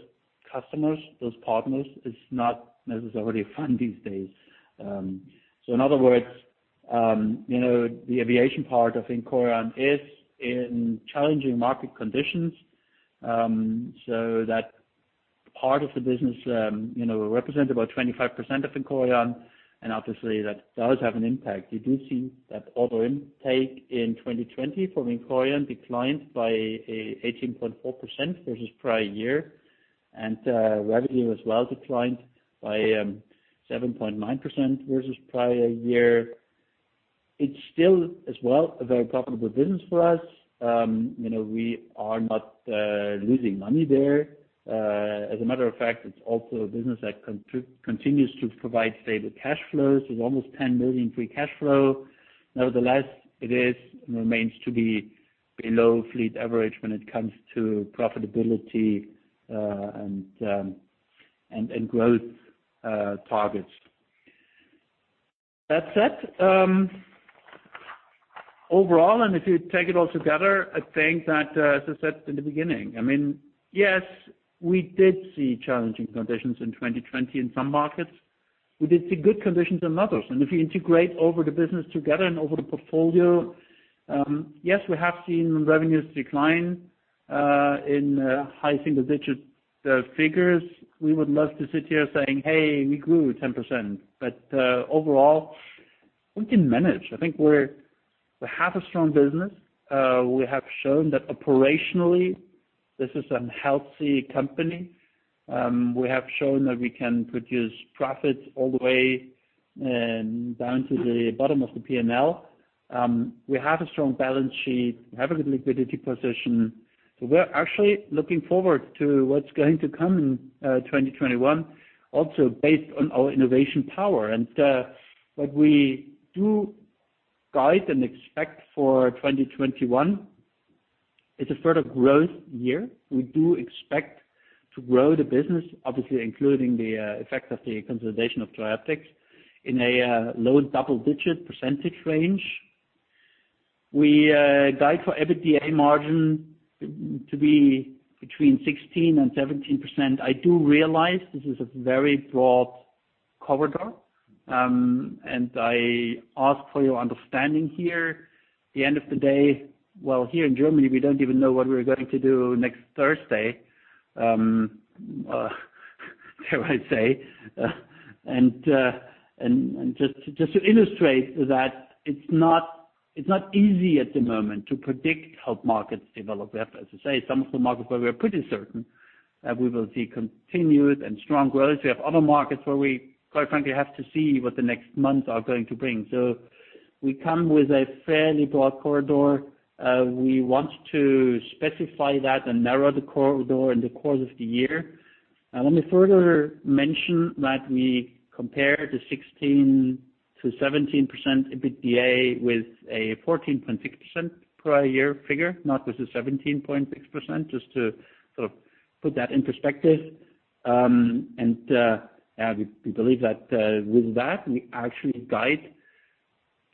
customers, those partners, is not necessarily fun these days. In other words, the aviation part of Vincorion is in challenging market conditions. That part of the business will represent about 25% of Vincorion, and obviously, that does have an impact. You do see that order intake in 2020 for Vincorion declined by 18.4% versus prior year. Revenue as well declined by 7.9% versus prior year. It's still, as well, a very profitable business for us. We are not losing money there. As a matter of fact, it's also a business that continues to provide stable cash flows with almost 10 million free cash flow. Nevertheless, it remains to be below fleet average when it comes to profitability and growth targets. That said, overall, if you take it all together, I think that, as I said in the beginning. Yes, we did see challenging conditions in 2020 in some markets. We did see good conditions in others. If you integrate over the business together and over the portfolio, yes, we have seen revenues decline in high single-digit figures. We would love to sit here saying, "Hey, we grew 10%." Overall, we can manage. I think we have a strong business. We have shown that operationally, this is a healthy company. We have shown that we can produce profits all the way down to the bottom of the P&L. We have a strong balance sheet, we have a good liquidity position. We're actually looking forward to what's going to come in 2021, also based on our innovation power. What we do guide and expect for 2021, it's a further growth year. We do expect to grow the business, obviously including the effect of the consolidation of Trioptics, in a low double-digit percentage range. We guide for EBITDA margin to be between 16% and 17%. I do realize this is a very broad corridor, and I ask for your understanding here. The end of the day, well, here in Germany, we don't even know what we're going to do next Thursday, dare I say. Just to illustrate that it's not easy at the moment to predict how markets develop. As I say, some of the markets where we are pretty certain that we will see continued and strong growth. We have other markets where we, quite frankly, have to see what the next months are going to bring. We come with a fairly broad corridor. We want to specify that and narrow the corridor in the course of the year. Let me further mention that we compare the 16%-17% EBITDA with a 14.6% prior year figure, not with the 17.6%, just to sort of put that in perspective. We believe that with that, we actually guide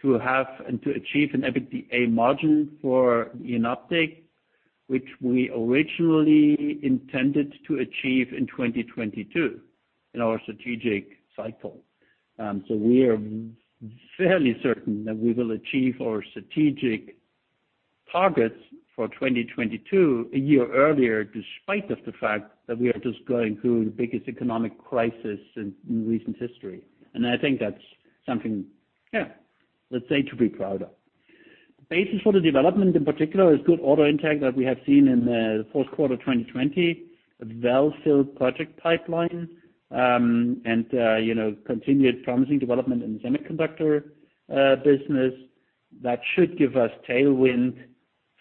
to have and to achieve an EBITDA margin for Jenoptik, which we originally intended to achieve in 2022 in our strategic cycle. We are fairly certain that we will achieve our strategic targets for 2022 a year earlier, despite of the fact that we are just going through the biggest economic crisis in recent history. I think that's something, let's say, to be proud of. The basis for the development, in particular, is good order intake that we have seen in the fourth quarter 2020, a well-filled project pipeline, and continued promising development in the semiconductor business that should give us tailwind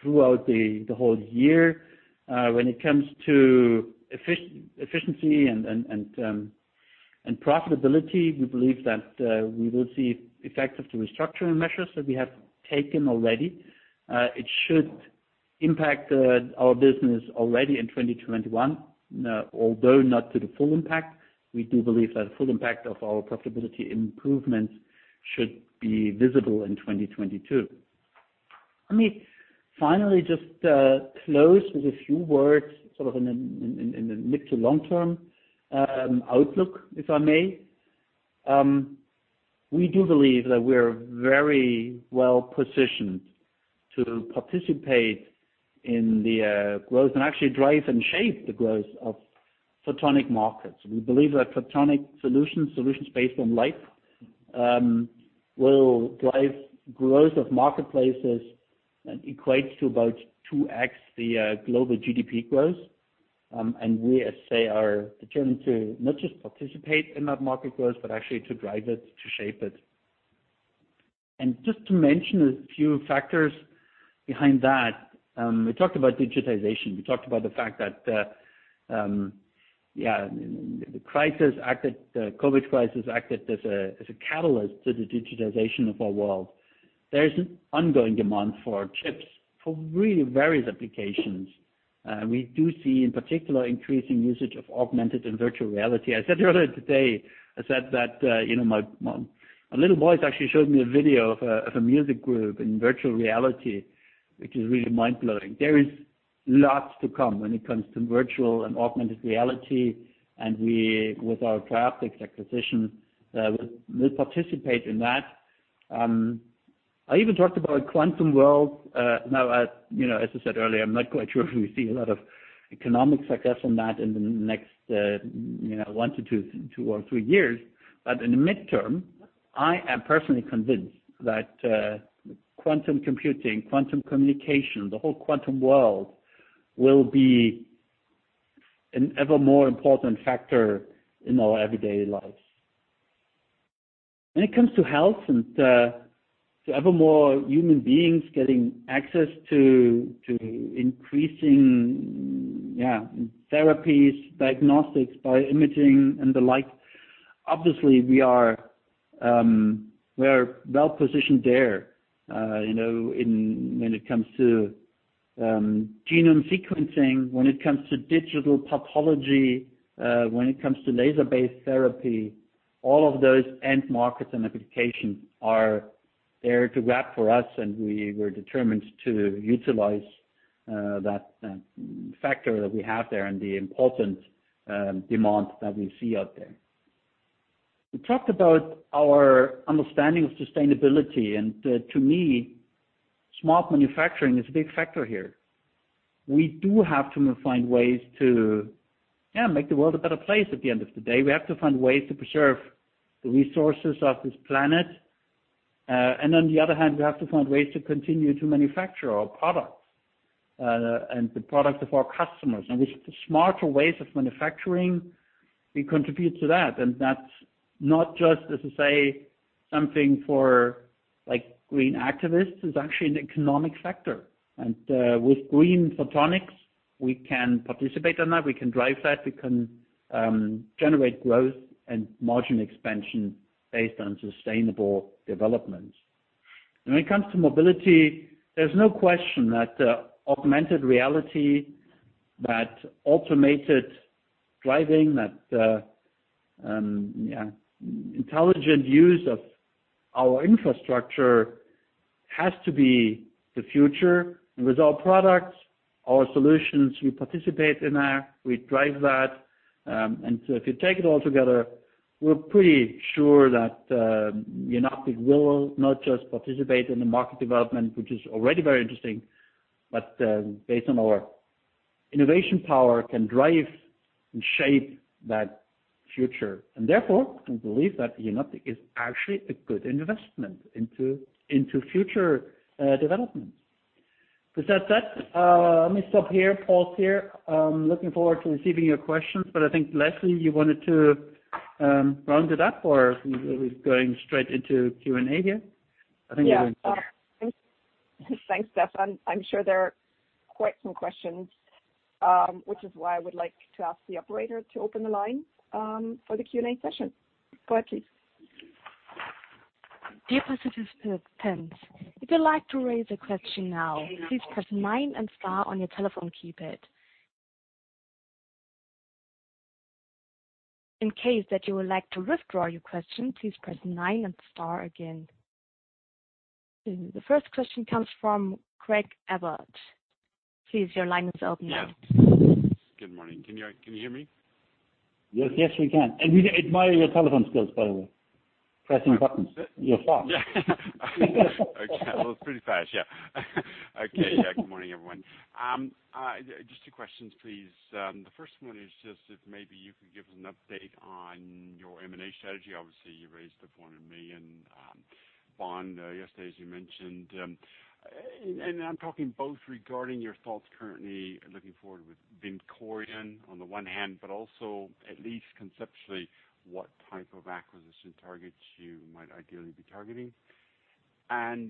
throughout the whole year. When it comes to efficiency and profitability, we believe that we will see effects of the restructuring measures that we have taken already. It should impact our business already in 2021, although not to the full impact. We do believe that the full impact of our profitability improvements should be visible in 2022. Let me finally just close with a few words sort of in the mid to long term outlook, if I may. We do believe that we are very well-positioned to participate in the growth and actually drive and shape the growth of photonic markets. We believe that photonic solutions based on light, will drive growth of marketplaces and equates to about 2x the global GDP growth. We, as say, are determined to not just participate in that market growth, but actually to drive it, to shape it. Just to mention a few factors behind that. We talked about digitization. We talked about the fact that the COVID crisis acted as a catalyst to the digitization of our world. There is an ongoing demand for chips for really various applications. We do see, in particular, increasing usage of augmented and virtual reality. I said earlier today, I said that my little boys actually showed me a video of a music group in virtual reality, which is really mind-blowing. There is lots to come when it comes to virtual and augmented reality, and we, with our Trioptics acquisition, will participate in that. I even talked about quantum world. As I said earlier, I'm not quite sure if we see a lot of economic success on that in the next one to two or three years. In the midterm, I am personally convinced that quantum computing, quantum communication, the whole quantum world will be an ever more important factor in our everyday lives. When it comes to health and to ever more human beings getting access to increasing therapies, diagnostics by imaging and the like, obviously we are well-positioned there. When it comes to genome sequencing, when it comes to digital pathology, when it comes to laser-based therapy, all of those end markets and applications are there to grab for us, and we are determined to utilize that factor that we have there and the important demand that we see out there. To me, smart manufacturing is a big factor here. We do have to find ways to make the world a better place at the end of the day. We have to find ways to preserve the resources of this planet. On the other hand, we have to find ways to continue to manufacture our products and the products of our customers. With smarter ways of manufacturing, we contribute to that. That's not just, as I say, something for green activists. It's actually an economic factor. With green photonics, we can participate in that. We can drive that. We can generate growth and margin expansion based on sustainable development. When it comes to mobility, there's no question that augmented reality, that automated driving, that intelligent use of our infrastructure has to be the future. With our products, our solutions, we participate in that. We drive that. If you take it all together, we're pretty sure that Jenoptik will not just participate in the market development, which is already very interesting, but based on our innovation power, can drive and shape that future. Therefore, we believe that Jenoptik is actually a good investment into future development. With that said, let me stop here, pause here. I'm looking forward to receiving your questions, but I think, Leslie, you wanted to round it up, or we're going straight into Q&A here? I think we're going. Yeah. Thanks, Stefan. I am sure there are quite some questions, which is why I would like to ask the operator to open the line for the Q&A session. Go ahead, please. The first question comes from Craig Abbott. Please, your line is open now. Yeah. Good morning. Can you hear me? Yes, we can. We admire your telephone skills, by the way. Pressing buttons. Oh, is it? Your star. Okay. Well, it's pretty fast, yeah. Okay. Yeah. Good morning, everyone. Just two questions, please. The first one is just if maybe you could give us an update on your M&A strategy. Obviously, you raised the 400 million bond yesterday, as you mentioned. I'm talking both regarding your thoughts currently looking forward with Vincorion on the one hand, but also, at least conceptually, what type of acquisition targets you might ideally be targeting.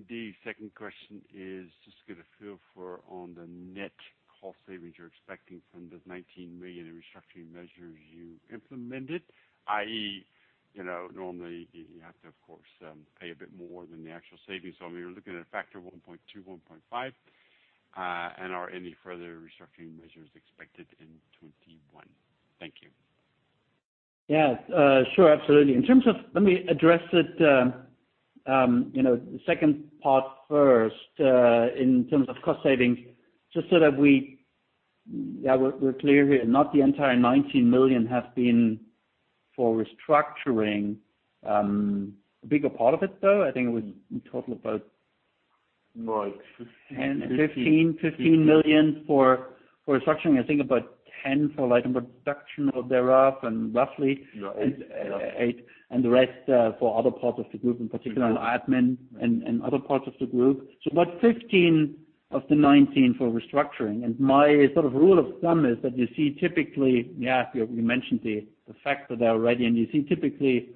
The second question is just to get a feel for on the net cost savings you're expecting from the 19 million in restructuring measures you implemented, i.e., normally you have to, of course, pay a bit more than the actual savings. I mean, we're looking at a factor of 1.2, 1.5. Are any further restructuring measures expected in 2021? Thank you. Yeah. Sure. Absolutely. Let me address the second part first. In terms of cost savings, just so that we're clear here, not the entire 19 million has been for restructuring. A bigger part of it, though, I think it was in total. More like 15, 16. 15 million for restructuring. I think about 10 for Light & Production or thereof. Yeah, eight. Eight. The rest for other parts of the group, in particular admin and other parts of the group. About 15 of the 19 for restructuring. My sort of rule of thumb is that you see typically, yeah, you mentioned the factor there already, and you see typically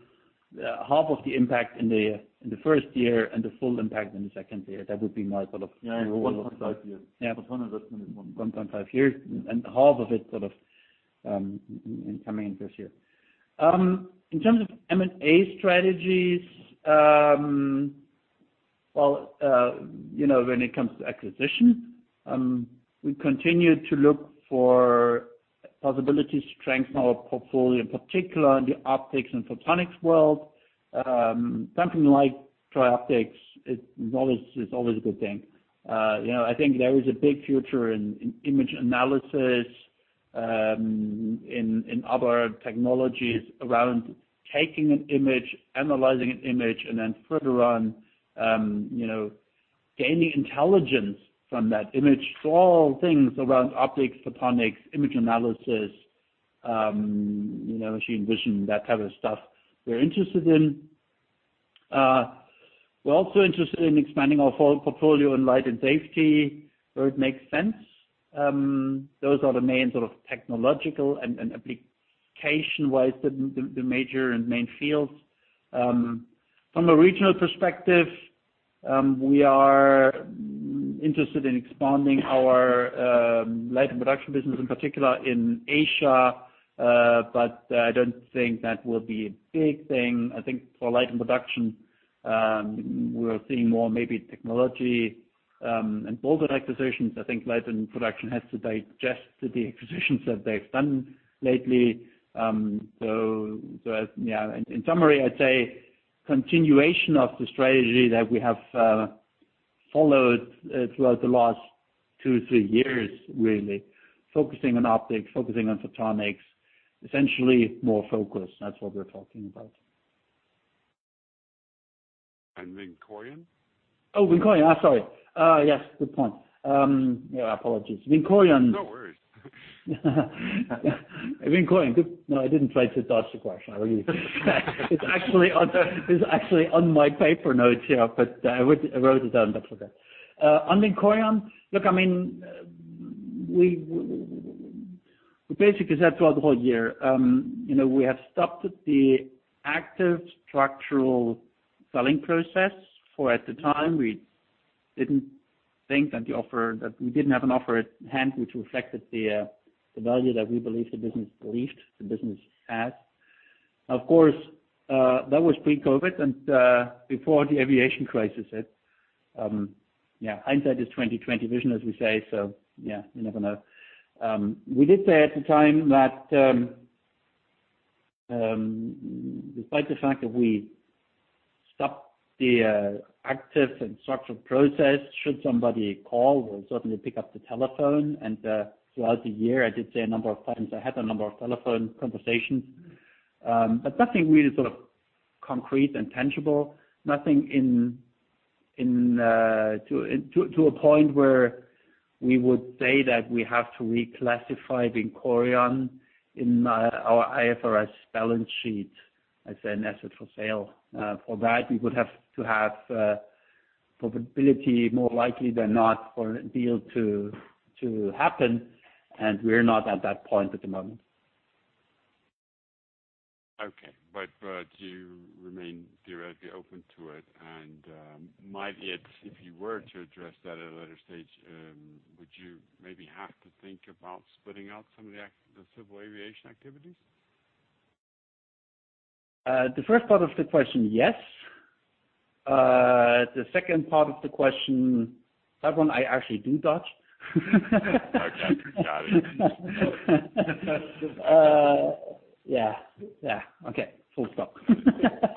half of the impact in the first year and the full impact in the second year. That would be my sort of rule of thumb. Yeah, in 1.5 years. Yeah. For full investment in 1.5. 1.5 years, and half of it sort of coming in this year. In terms of M&A strategies, well, when it comes to acquisition, we continue to look for possibilities to strengthen our portfolio, in particular in the optics and photonics world. Something like Trioptics is always a good thing. I think there is a big future in image analysis, in other technologies around taking an image, analyzing an image, and then further on gaining intelligence from that image. All things around optics, photonics, image analysis, machine vision, that type of stuff, we're interested in. We're also interested in expanding our portfolio in Light & Safety where it makes sense. Those are the main sort of technological and application-wise, the major and main fields. From a regional perspective, we are interested in expanding our Light & Production business, in particular in Asia. I don't think that will be a big thing. I think for Light & Production, we are seeing more maybe technology and bolder acquisitions. I think Light & Production has to digest the acquisitions that they have done lately. Yeah. In summary, I would say continuation of the strategy that we have followed throughout the last two, three years, really. Focusing on optics, focusing on photonics. Essentially more focus. That is what we are talking about. Vincorion? Oh, Vincorion. Sorry. Yes, good point. Yeah, apologies. Vincorion. No worries. Vincorion. No, I didn't try to dodge the question. It's actually on my paper notes here, but I wrote it down, but I forgot. On Vincorion, look, we basically said throughout the whole year we have stopped the active structural selling process for, at the time, we didn't have an offer at hand which reflected the value that we believe the business has. Of course, that was pre-COVID-19 and before the aviation crisis hit. Hindsight is 20/20 vision, as we say. Yeah, you never know. We did say at the time that, despite the fact that we stopped the active and structural process, should somebody call, we'll certainly pick up the telephone. Throughout the year, I did say a number of times I had a number of telephone conversations. Nothing really concrete and tangible, nothing to a point where we would say that we have to reclassify Vincorion in our IFRS balance sheet as an asset for sale. For that, we would have to have probability more likely than not for a deal to happen, and we're not at that point at the moment. Okay. You remain theoretically open to it, and might it, if you were to address that at a later stage, would you maybe have to think about splitting out some of the civil aviation activities? The first part of the question, yes. The second part of the question, that one I actually do dodge. Okay. Got it. Yeah. Okay. Full stop.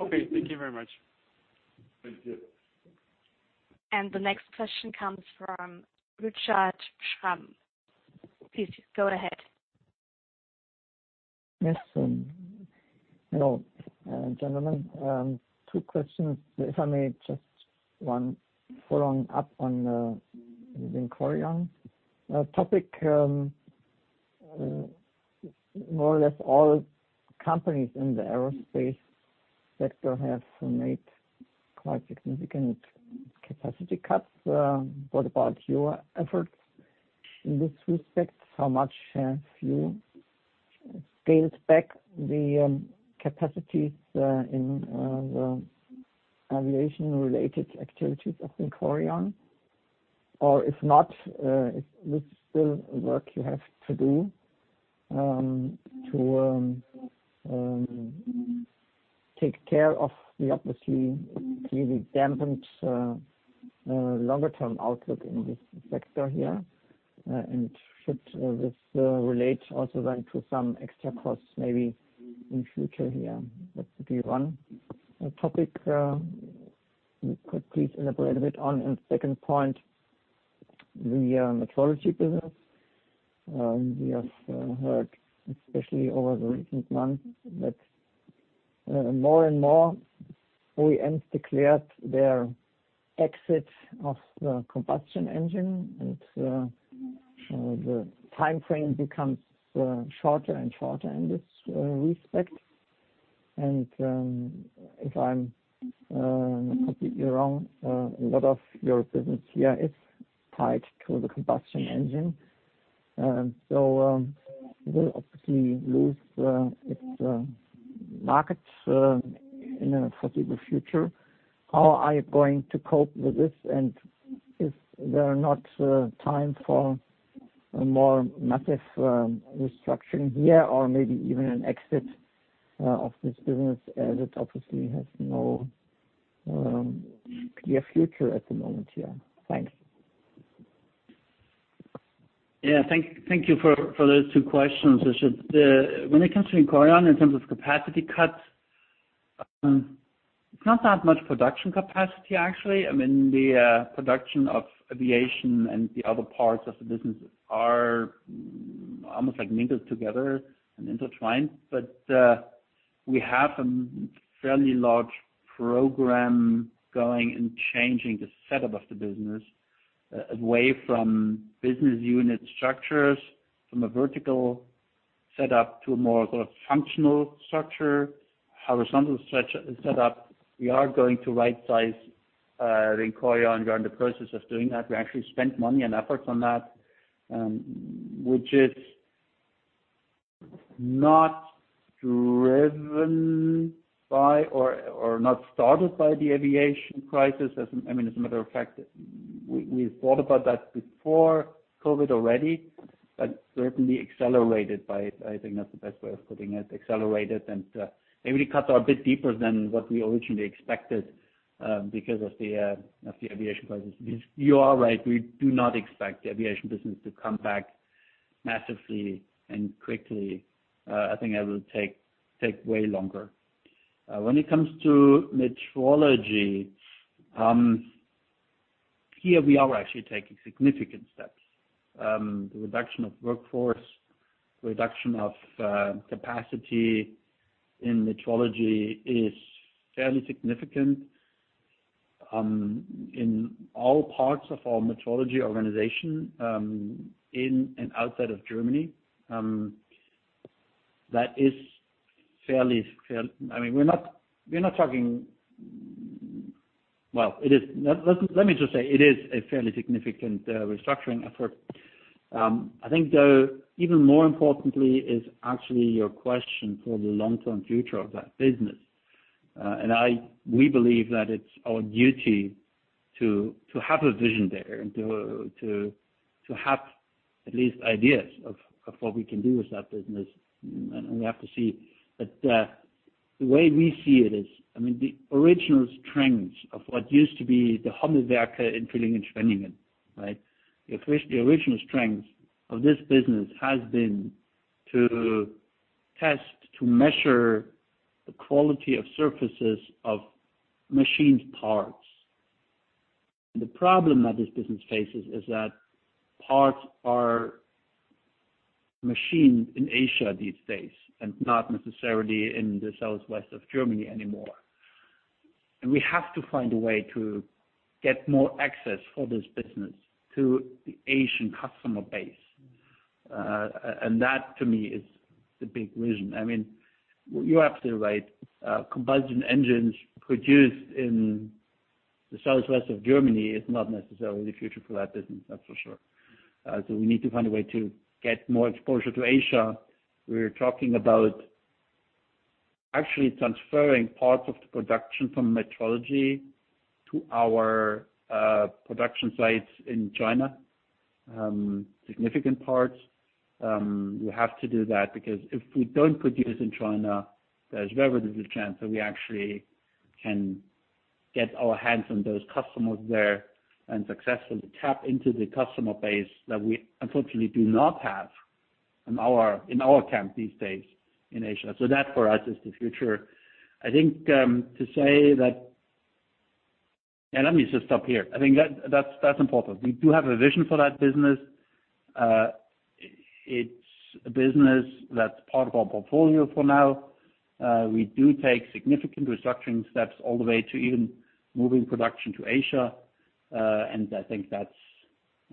Okay. Thank you very much. Thank you. The next question comes from Richard Schramm. Please go ahead. Yes. Hello, gentlemen. Two questions, if I may. Just one following up on the Vincorion topic. More or less all companies in the aerospace sector have made quite significant capacity cuts. What about your efforts in this respect? How much have you scaled back the capacities in the aviation-related activities of Vincorion? If not, is this still work you have to do to take care of the obviously really dampened longer-term outlook in this sector here? Should this relate also then to some extra costs maybe in future here? That would be one topic you could please elaborate a bit on. Second point, the metrology business. We have heard, especially over the recent months, that more and more OEMs declared their exit of the combustion engine, and the timeframe becomes shorter and shorter in this respect. If I'm completely wrong, a lot of your business here is tied to the combustion engine. It will obviously lose its markets in the foreseeable future. How are you going to cope with this? Is there not a time for a more massive restructuring here or maybe even an exit of this business as it obviously has no clear future at the moment here? Thanks. Yeah. Thank you for those two questions, Richard. When it comes to Vincorion, in terms of capacity cuts, it's not that much production capacity, actually. The production of aviation and the other parts of the business are almost mingled together and intertwined. We have a fairly large program going in changing the setup of the business away from business unit structures, from a vertical setup to a more functional structure, horizontal setup. We are going to rightsize Vincorion. We are in the process of doing that. We actually spent money and efforts on that, which is not driven by or not started by the aviation crisis. As a matter of fact, we thought about that before COVID already, but certainly accelerated by it. I think that's the best way of putting it, accelerated and maybe cuts are a bit deeper than what we originally expected, because of the aviation crisis. You are right, we do not expect the aviation business to come back massively and quickly. I think that will take way longer. When it comes to metrology, here we are actually taking significant steps. The reduction of workforce, reduction of capacity in metrology is fairly significant in all parts of our metrology organization, in and outside of Germany. Let me just say, it is a fairly significant restructuring effort. I think though, even more importantly is actually your question for the long-term future of that business. We believe that it's our duty to have a vision there and to have at least ideas of what we can do with that business. We have to see. The way we see it is, the original strength of what used to be the Hommelwerke in Villingen-Schwenningen. The original strength of this business has been to test, to measure the quality of surfaces of machined parts. The problem that this business faces is that parts are machined in Asia these days, and not necessarily in the southwest of Germany anymore. We have to find a way to get more access for this business to the Asian customer base. That to me is the big vision. You're absolutely right. Combustion engines produced in the southwest of Germany is not necessarily the future for that business, that's for sure. We need to find a way to get more exposure to Asia. We're talking about actually transferring parts of the production from metrology to our production sites in China. Significant parts. We have to do that because if we don't produce in China, there's very little chance that we actually can get our hands on those customers there and successfully tap into the customer base that we unfortunately do not have in our camp these days in Asia. That for us is the future. Let me just stop here. I think that's important. We do have a vision for that business. It's a business that's part of our portfolio for now. We do take significant restructuring steps all the way to even moving production to Asia. I think that's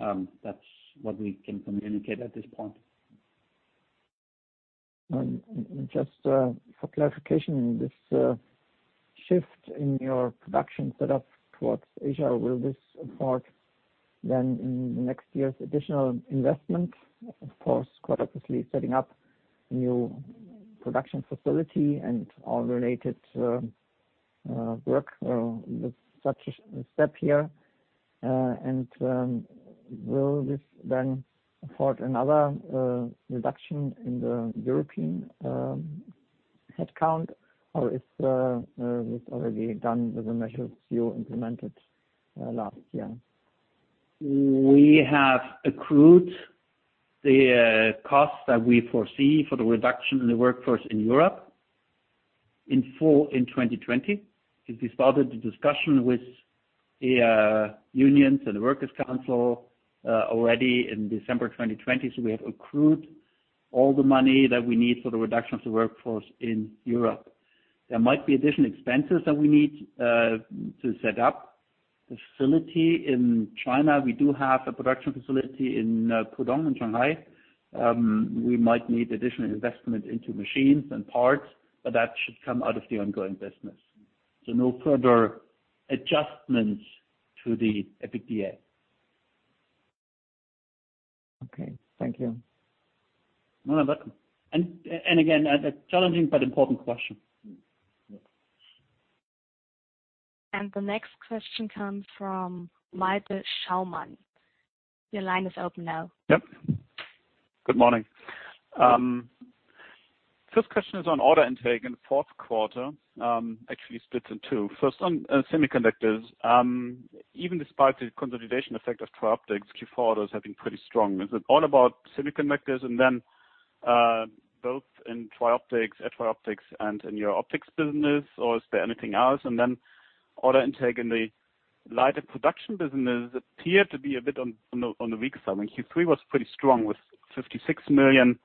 what we can communicate at this point. Just for clarification, this shift in your production set up towards Asia, will this afford then in next year's additional investment, of course, quite obviously setting up new production facility and all related work with such a step here? Will this then afford another reduction in the European headcount or is this already done with the measures you implemented last year? We have accrued the costs that we foresee for the reduction in the workforce in Europe in full in 2020, since we started the discussion with the unions and the workers' council already in December 2020. We have accrued all the money that we need for the reduction of the workforce in Europe. There might be additional expenses that we need to set up facility in China. We do have a production facility in Pudong, in Shanghai. We might need additional investment into machines and parts, but that should come out of the ongoing business. No further adjustments to the EBITDA. Okay. Thank you. You are welcome. Again, a challenging but important question. The next question comes from Malte Schaumann. Your line is open now. Yep. Good morning. First question is on order intake in the fourth quarter, actually split in two. First on semiconductors. Even despite the consolidation effect of Trioptics, Q4 orders have been pretty strong. Is it all about semiconductors and then both in Trioptics, at Trioptics and in your optics business, or is there anything else? Order intake in the Light & Production businesses appear to be a bit on the weaker side. Q3 was pretty strong with 56 million.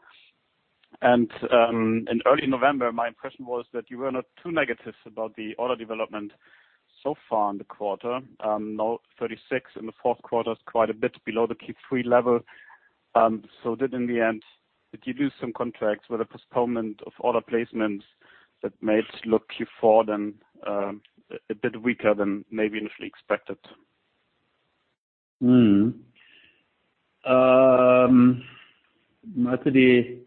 In early November, my impression was that you were not too negative about the order development so far in the quarter. 36 million in the fourth quarter is quite a bit below the Q3 level. Did in the end, did you lose some contracts with a postponement of order placements that made look Q4 then a bit weaker than maybe initially expected? Malte,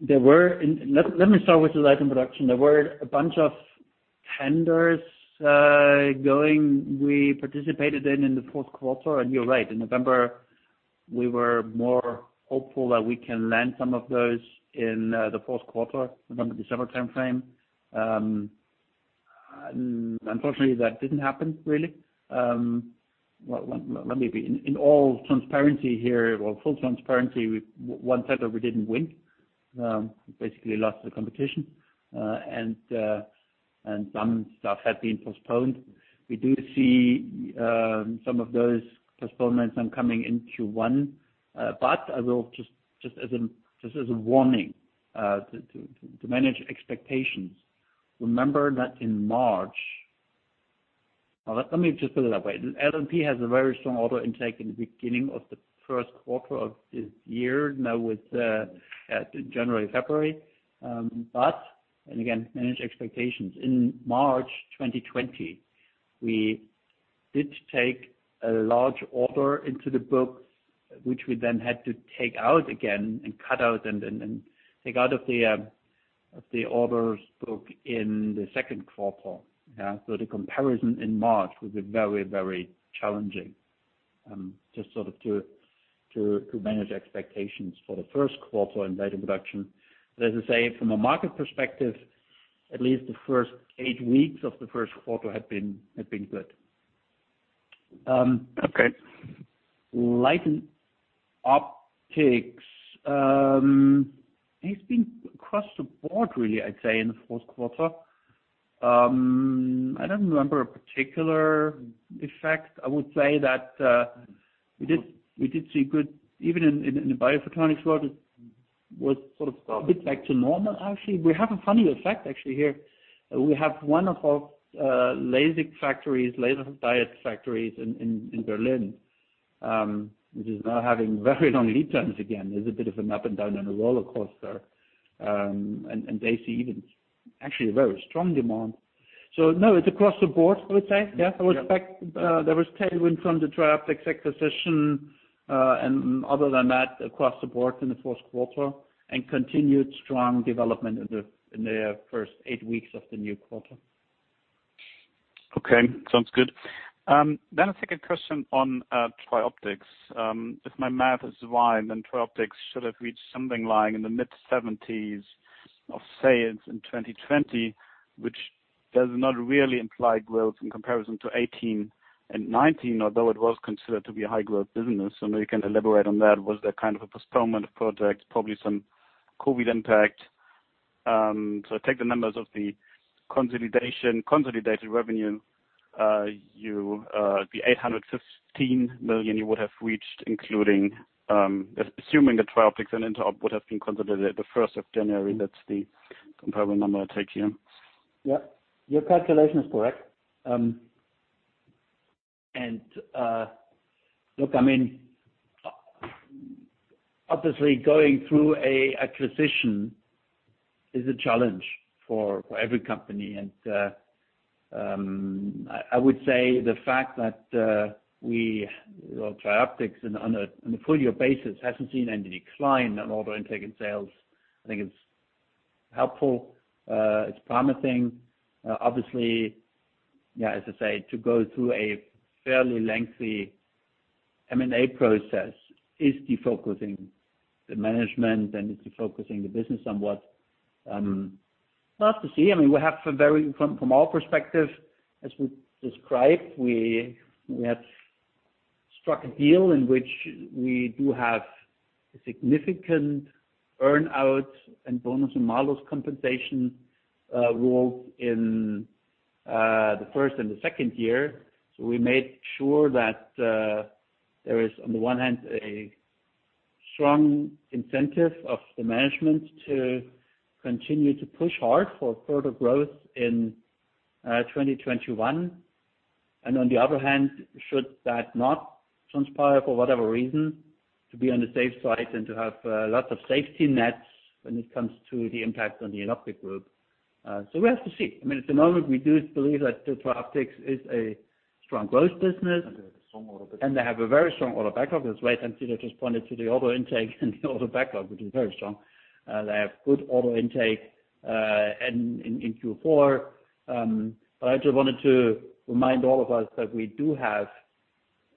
let me start with the Light & Production. There were a bunch of tenders going, we participated in the fourth quarter. You're right, in November, we were more hopeful that we can land some of those in the fourth quarter, November, December timeframe. Unfortunately, that didn't happen, really. Let me be in all transparency here or full transparency, one tender we didn't win, basically lost the competition, and some stuff had been postponed. We do see some of those postponements coming into Q1. Just as a warning to manage expectations, remember that in March. Let me just put it that way. L&P has a very strong order intake in the beginning of the first quarter of this year, now with January, February. Again, manage expectations. In March 2020, we did take a large order into the books, which we then had to take out again and cut out, and take out of the orders book in the second quarter. Yeah. The comparison in March will be very challenging, just to manage expectations for the first quarter and that introduction. As I say, from a market perspective, at least the first eight weeks of the first quarter have been good. Okay. Light & Optics. It's been across the board really, I'd say, in the fourth quarter. I don't remember a particular effect. I would say that we did see good, even in the biophotonics world, it was sort of a bit back to normal, actually. We have a funny effect actually here. We have one of our LASIK factories, laser diode factories in Berlin, which is now having very long lead times again. There's a bit of an up and down and a roller coaster, and they see even actually a very strong demand. No, it's across the board, I would say. Yeah. Yeah. There was tailwind from the Trioptics acquisition. Other than that, across the board in the fourth quarter, and continued strong development in the first eight weeks of the new quarter. Okay. Sounds good. A second question on Trioptics. If my math is right, Trioptics should have reached something lying in the mid-70s of sales in 2020, which does not really imply growth in comparison to 2018 and 2019, although it was considered to be a high-growth business. I know you can elaborate on that. Was there kind of a postponement of projects, probably some COVID-19 impact? Take the numbers of the consolidated revenue, the 815 million you would have reached, assuming the Trioptics and INTEROB would have been consolidated the 1st of January. That's the comparable number I take here. Yeah. Your calculation is correct. Look, obviously going through an acquisition is a challenge for every company. I would say the fact that Trioptics on a full year basis hasn't seen any decline on order intake and sales, I think it's helpful. It's promising. Obviously, as I say, to go through a fairly lengthy M&A process is defocusing the management and it's defocusing the business somewhat. We'll have to see. From our perspective, as we described, we have struck a deal in which we do have a significant earn-out and bonus, and Malos compensation roles in the first and the second year. We made sure that there is, on the one hand, a strong incentive of the management to continue to push hard for further growth in 2021. On the other hand, should that not transpire for whatever reason, to be on the safe side and to have lots of safety nets when it comes to the impact on the Jenoptik Group. We have to see. At the moment, we do believe that the Trioptics is a strong growth business. They have a strong order business. They have a very strong order backlog. That's why Hans-Dieter Schumacher just pointed to the order intake and the order backlog, which is very strong. They have good order intake in Q4. I just wanted to remind all of us that we do have,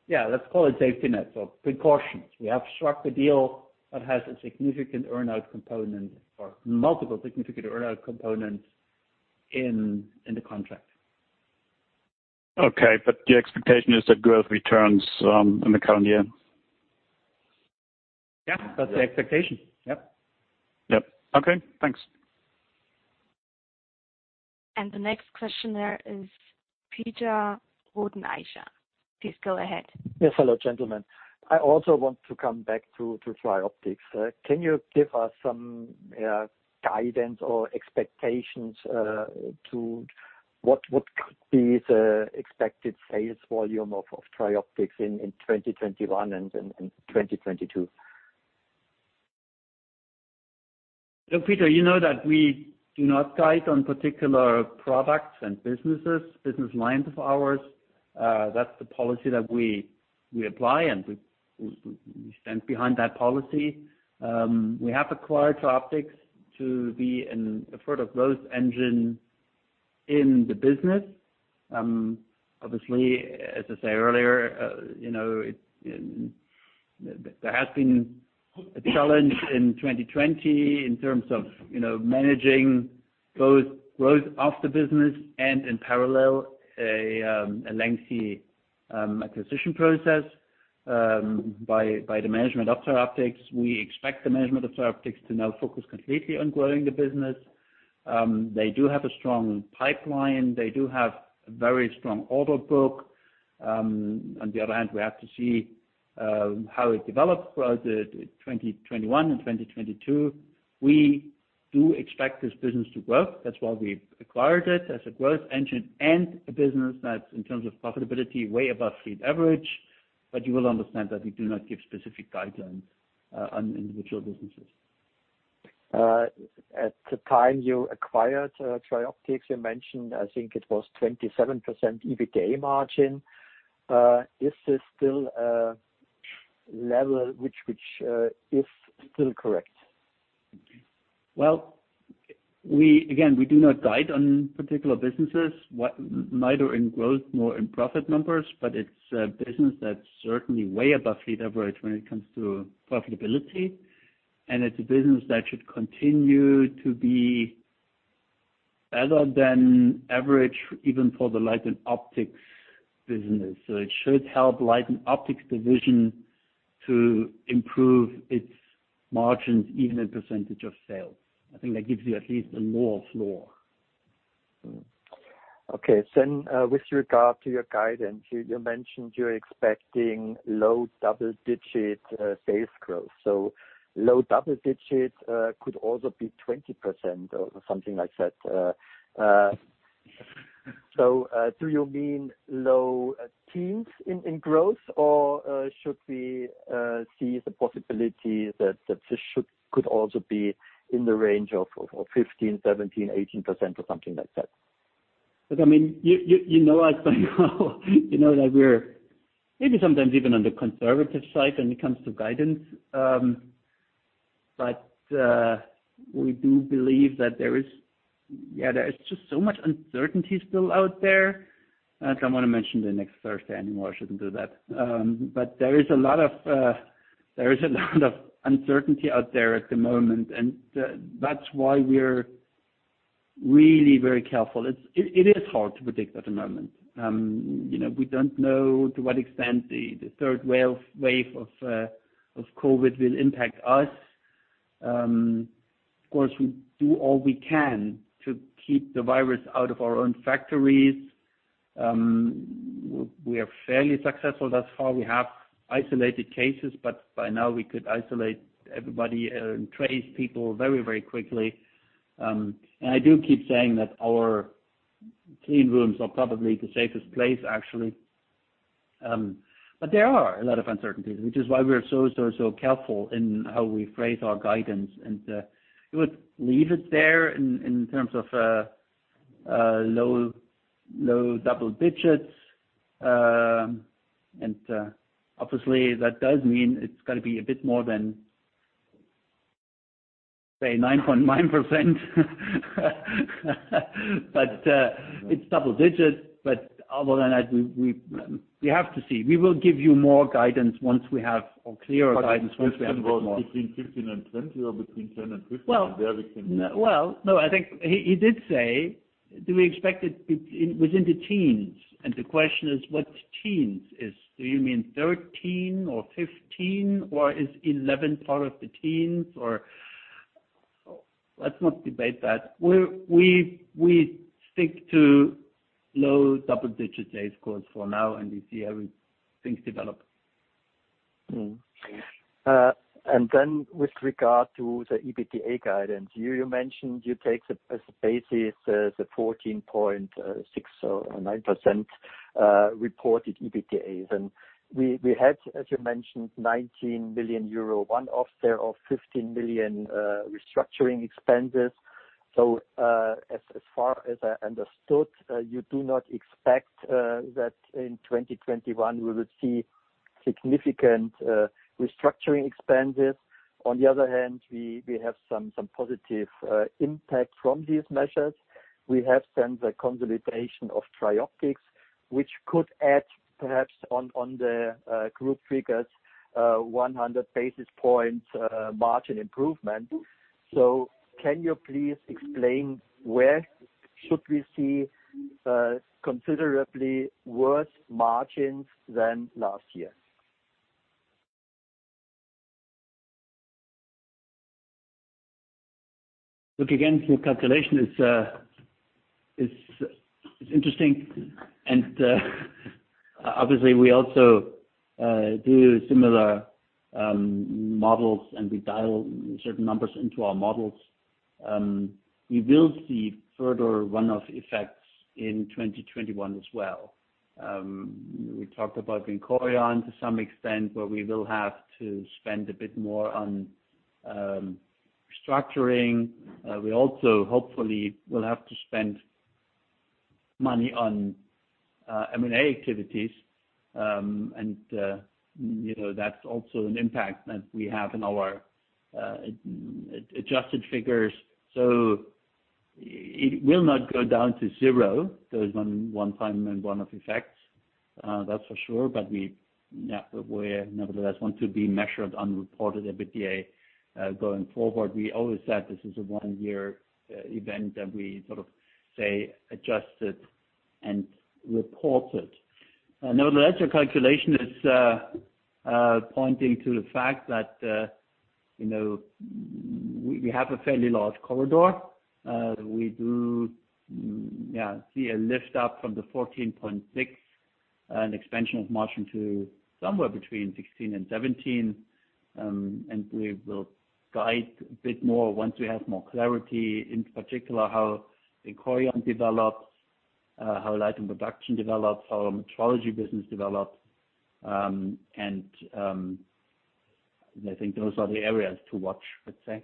let's call it safety net, precautions. We have struck a deal that has a significant earn-out component or multiple significant earn-out components in the contract. Okay. The expectation is that growth returns in the current year. Yeah. That's the expectation. Yep. Yep. Okay, thanks. The next question there is Peter Rothenaicher. Please go ahead. Yes. Hello, gentlemen. I also want to come back to Trioptics. Can you give us some guidance or expectations to what could be the expected sales volume of Trioptics in 2021 and 2022? Look, Peter, you know that we do not guide on particular products and businesses, business lines of ours. That's the policy that we apply, and we stand behind that policy. We have acquired Trioptics to be a further growth engine in the business. Obviously, as I said earlier, there has been a challenge in 2020 in terms of managing both growth of the business and in parallel, a lengthy acquisition process by the management of Trioptics. We expect the management of Trioptics to now focus completely on growing the business. They do have a strong pipeline, they do have a very strong order book. On the other hand, we have to see how it develops throughout 2021 and 2022. We do expect this business to grow. That's why we acquired it as a growth engine and a business that's, in terms of profitability, way above fleet average. You will understand that we do not give specific guidelines on individual businesses. At the time you acquired Trioptics, you mentioned, I think it was 27% EBITDA margin. Is this still a level which is still correct? Again, we do not guide on particular businesses, neither in growth nor in profit numbers, but it's a business that's certainly way above fleet average when it comes to profitability. It's a business that should continue to be better than average, even for the Light & Optics business. It should help Light & Optics division to improve its margins, even in percentage of sales. I think that gives you at least a lower floor. With regard to your guidance, you mentioned you're expecting low double-digit sales growth. Low double digits could also be 20% or something like that. Do you mean low teens in growth, or should we see the possibility that this could also be in the range of 15, 17, 18% or something like that? Look, you know us by now. You know that we're maybe sometimes even on the conservative side when it comes to guidance. We do believe that there is just so much uncertainty still out there. I don't want to mention the next Thursday anymore. I shouldn't do that. There is a lot of uncertainty out there at the moment, and that's why we're really very careful. It is hard to predict at the moment. We don't know to what extent the third wave of COVID will impact us. Of course, we do all we can to keep the virus out of our own factories. We are fairly successful thus far. We have isolated cases, but by now we could isolate everybody and trace people very quickly. I do keep saying that our clean rooms are probably the safest place, actually. There are a lot of uncertainties, which is why we are so careful in how we phrase our guidance. I would leave it there in terms of low double digits. Obviously, that does mean it's got to be a bit more than, say, 9.9%. It's double digits. Other than that, we have to see. We will give you more guidance once we have clearer guidance. The question was between 15 and 20 or between 10 and 15? No, I think he did say, do we expect it within the teens? The question is, what teens is? Do you mean 13 or 15, or is 11 part of the teens? Let's not debate that. We'll stick to low double-digit sales growth for now, and we see how things develop. With regard to the EBITDA guidance, you mentioned you take as a basis the 14.69% reported EBITDAs. We had, as you mentioned 19 million euro one-offs there of 15 million restructuring expenses. As far as I understood, you do not expect that in 2021 we will see significant restructuring expenses. On the other hand, we have some positive impact from these measures. We have then the consolidation of Trioptics, which could add perhaps on the group figures, 100 basis points margin improvement. Can you please explain where should we see considerably worse margins than last year? Look, again, your calculation is interesting and obviously we also do similar models, and we dial certain numbers into our models. We will see further one-off effects in 2021 as well. We talked about Vincorion to some extent, where we will have to spend a bit more on restructuring. We also, hopefully, will have to spend money on M&A activities. That's also an impact that we have in our adjusted figures. It will not go down to zero, those one-time and one-off effects, that's for sure. We nevertheless want to be measured on reported EBITDA going forward. We always said this is a one year event that we sort of say adjusted and report it. The ledger calculation is pointing to the fact that we have a fairly large corridor. We do, yeah, see a lift up from the 14.6% and expansion of margin to somewhere between 16% and 17%. We will guide a bit more once we have more clarity, in particular, how Vincorion develops, how Light & Production develops, how our metrology business develops. I think those are the areas to watch, I'd say.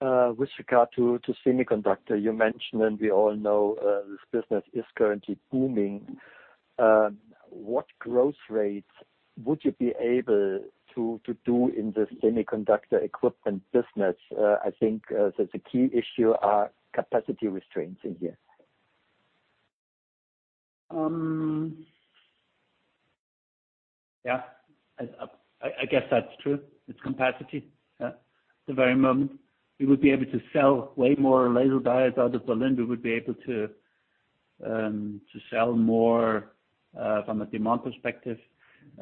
With regard to semiconductor, you mentioned, and we all know this business is currently booming. What growth rates would you be able to do in the semiconductor equipment business? I think that the key issue are capacity restraints in here. Yeah. I guess that's true. It's capacity at the very moment. We would be able to sell way more laser diodes out of Berlin. We would be able to sell more, from a demand perspective.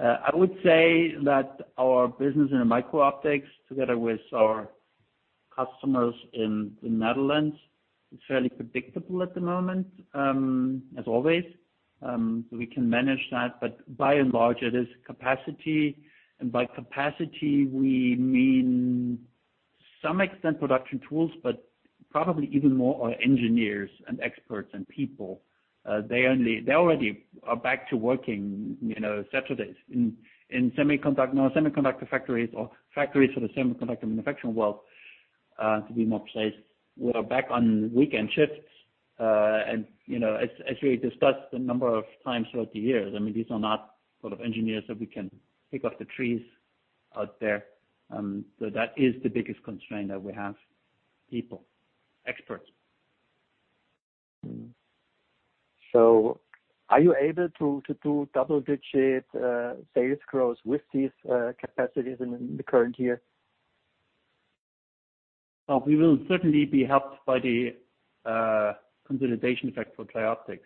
I would say that our business in the micro-optics, together with our customers in the Netherlands, is fairly predictable at the moment, as always. We can manage that. By and large, it is capacity. By capacity, we mean some extent production tools, but probably even more our engineers and experts and people. They already are back to working Saturdays. In semiconductor factories or factories for the semiconductor manufacturing world, to be more precise, we are back on weekend shifts. As we discussed a number of times throughout the years, these are not engineers that we can pick off the trees out there. That is the biggest constraint that we have. People. Experts. Are you able to do double-digit sales growth with these capacities in the current year? We will certainly be helped by the consolidation effect for Trioptics.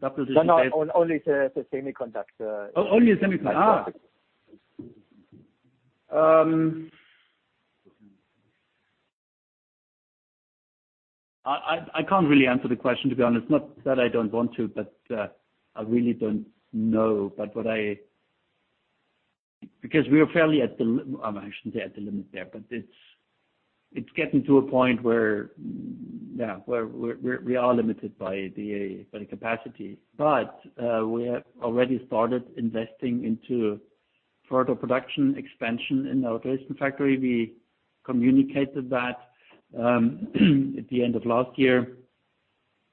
No. Only the semiconductor. Oh, only the semiconductor. I can't really answer the question, to be honest. Not that I don't want to, but I really don't know. We are fairly I shouldn't say at the limit there, but it's getting to a point where, yeah, we are limited by the capacity. We have already started investing into further production expansion in our Dresden factory. We communicated that at the end of last year.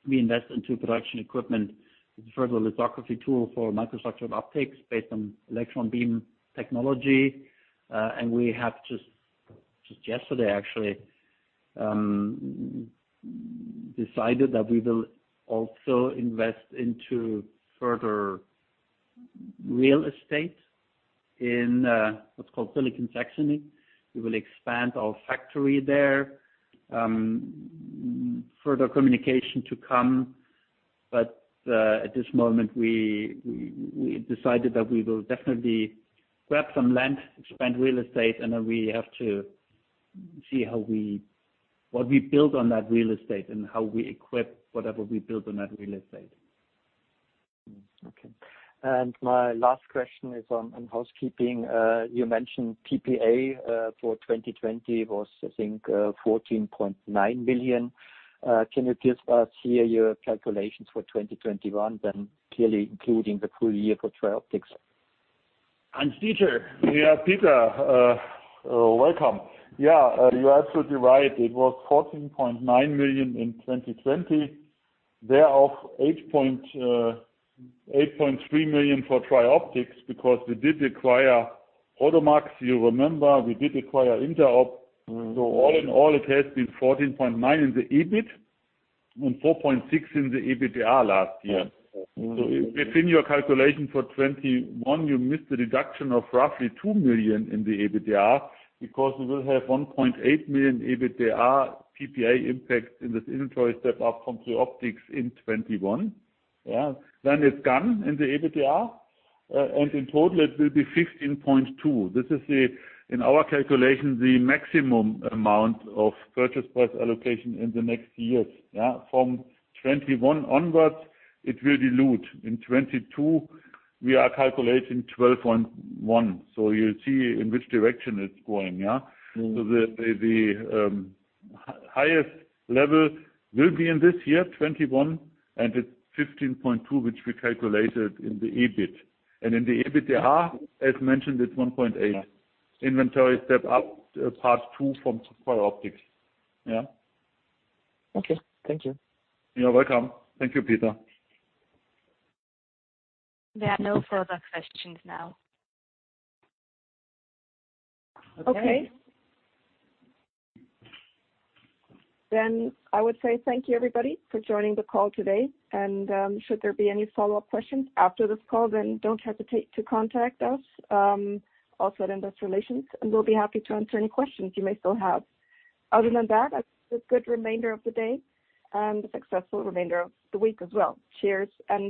We invest into production equipment. It's a further lithography tool for micro structured optics based on electron beam technology. We have just yesterday, actually, decided that we will also invest into further real estate in what's called Silicon Saxony. We will expand our factory there. Further communication to come. At this moment, we decided that we will definitely grab some land, expand real estate, and then we have to see what we build on that real estate and how we equip whatever we build on that real estate. Okay. My last question is on housekeeping. You mentioned PPA for 2020 was, I think, 14.9 million. Can you give us here your calculations for 2021, then clearly including the full year for Trioptics? Hans-Dieter. Yeah, Peter. Welcome. Yeah, you are absolutely right. It was 14.9 million in 2020. Thereof, 8.3 million for Trioptics because we did acquire Prodomax. You remember we did acquire INTEROB. All in all it has been 14.9 in the EBIT and 4.6 in the EBITDA last year. Within your calculation for 2021, you missed the reduction of roughly 2 million in the EBITDA because we will have 1.8 million EBITDA PPA impact in this inventory step up from Trioptics in 2021. Yeah? Then it's gone in the EBITDA. In total it will be 15.2. This is, in our calculation, the maximum amount of purchase price allocation in the next years. Yeah? From 2021 onwards, it will dilute. In 2022, we are calculating 12.1. You see in which direction it's going, yeah? The highest level will be in this year, 2021, and it's 15.2, which we calculated in the EBIT. In the EBITDA, as mentioned, it's 1.8. Yeah. Inventory step up part two from Trioptics. Yeah? Okay. Thank you. You're welcome. Thank you, Peter. There are no further questions now. Okay. Okay. I would say thank you, everybody, for joining the call today. Should there be any follow-up questions after this call, don't hesitate to contact us, also at Investor Relations. We'll be happy to answer any questions you may still have. Other than that, have a good remainder of the day, and a successful remainder of the week as well. Cheers and bye-bye.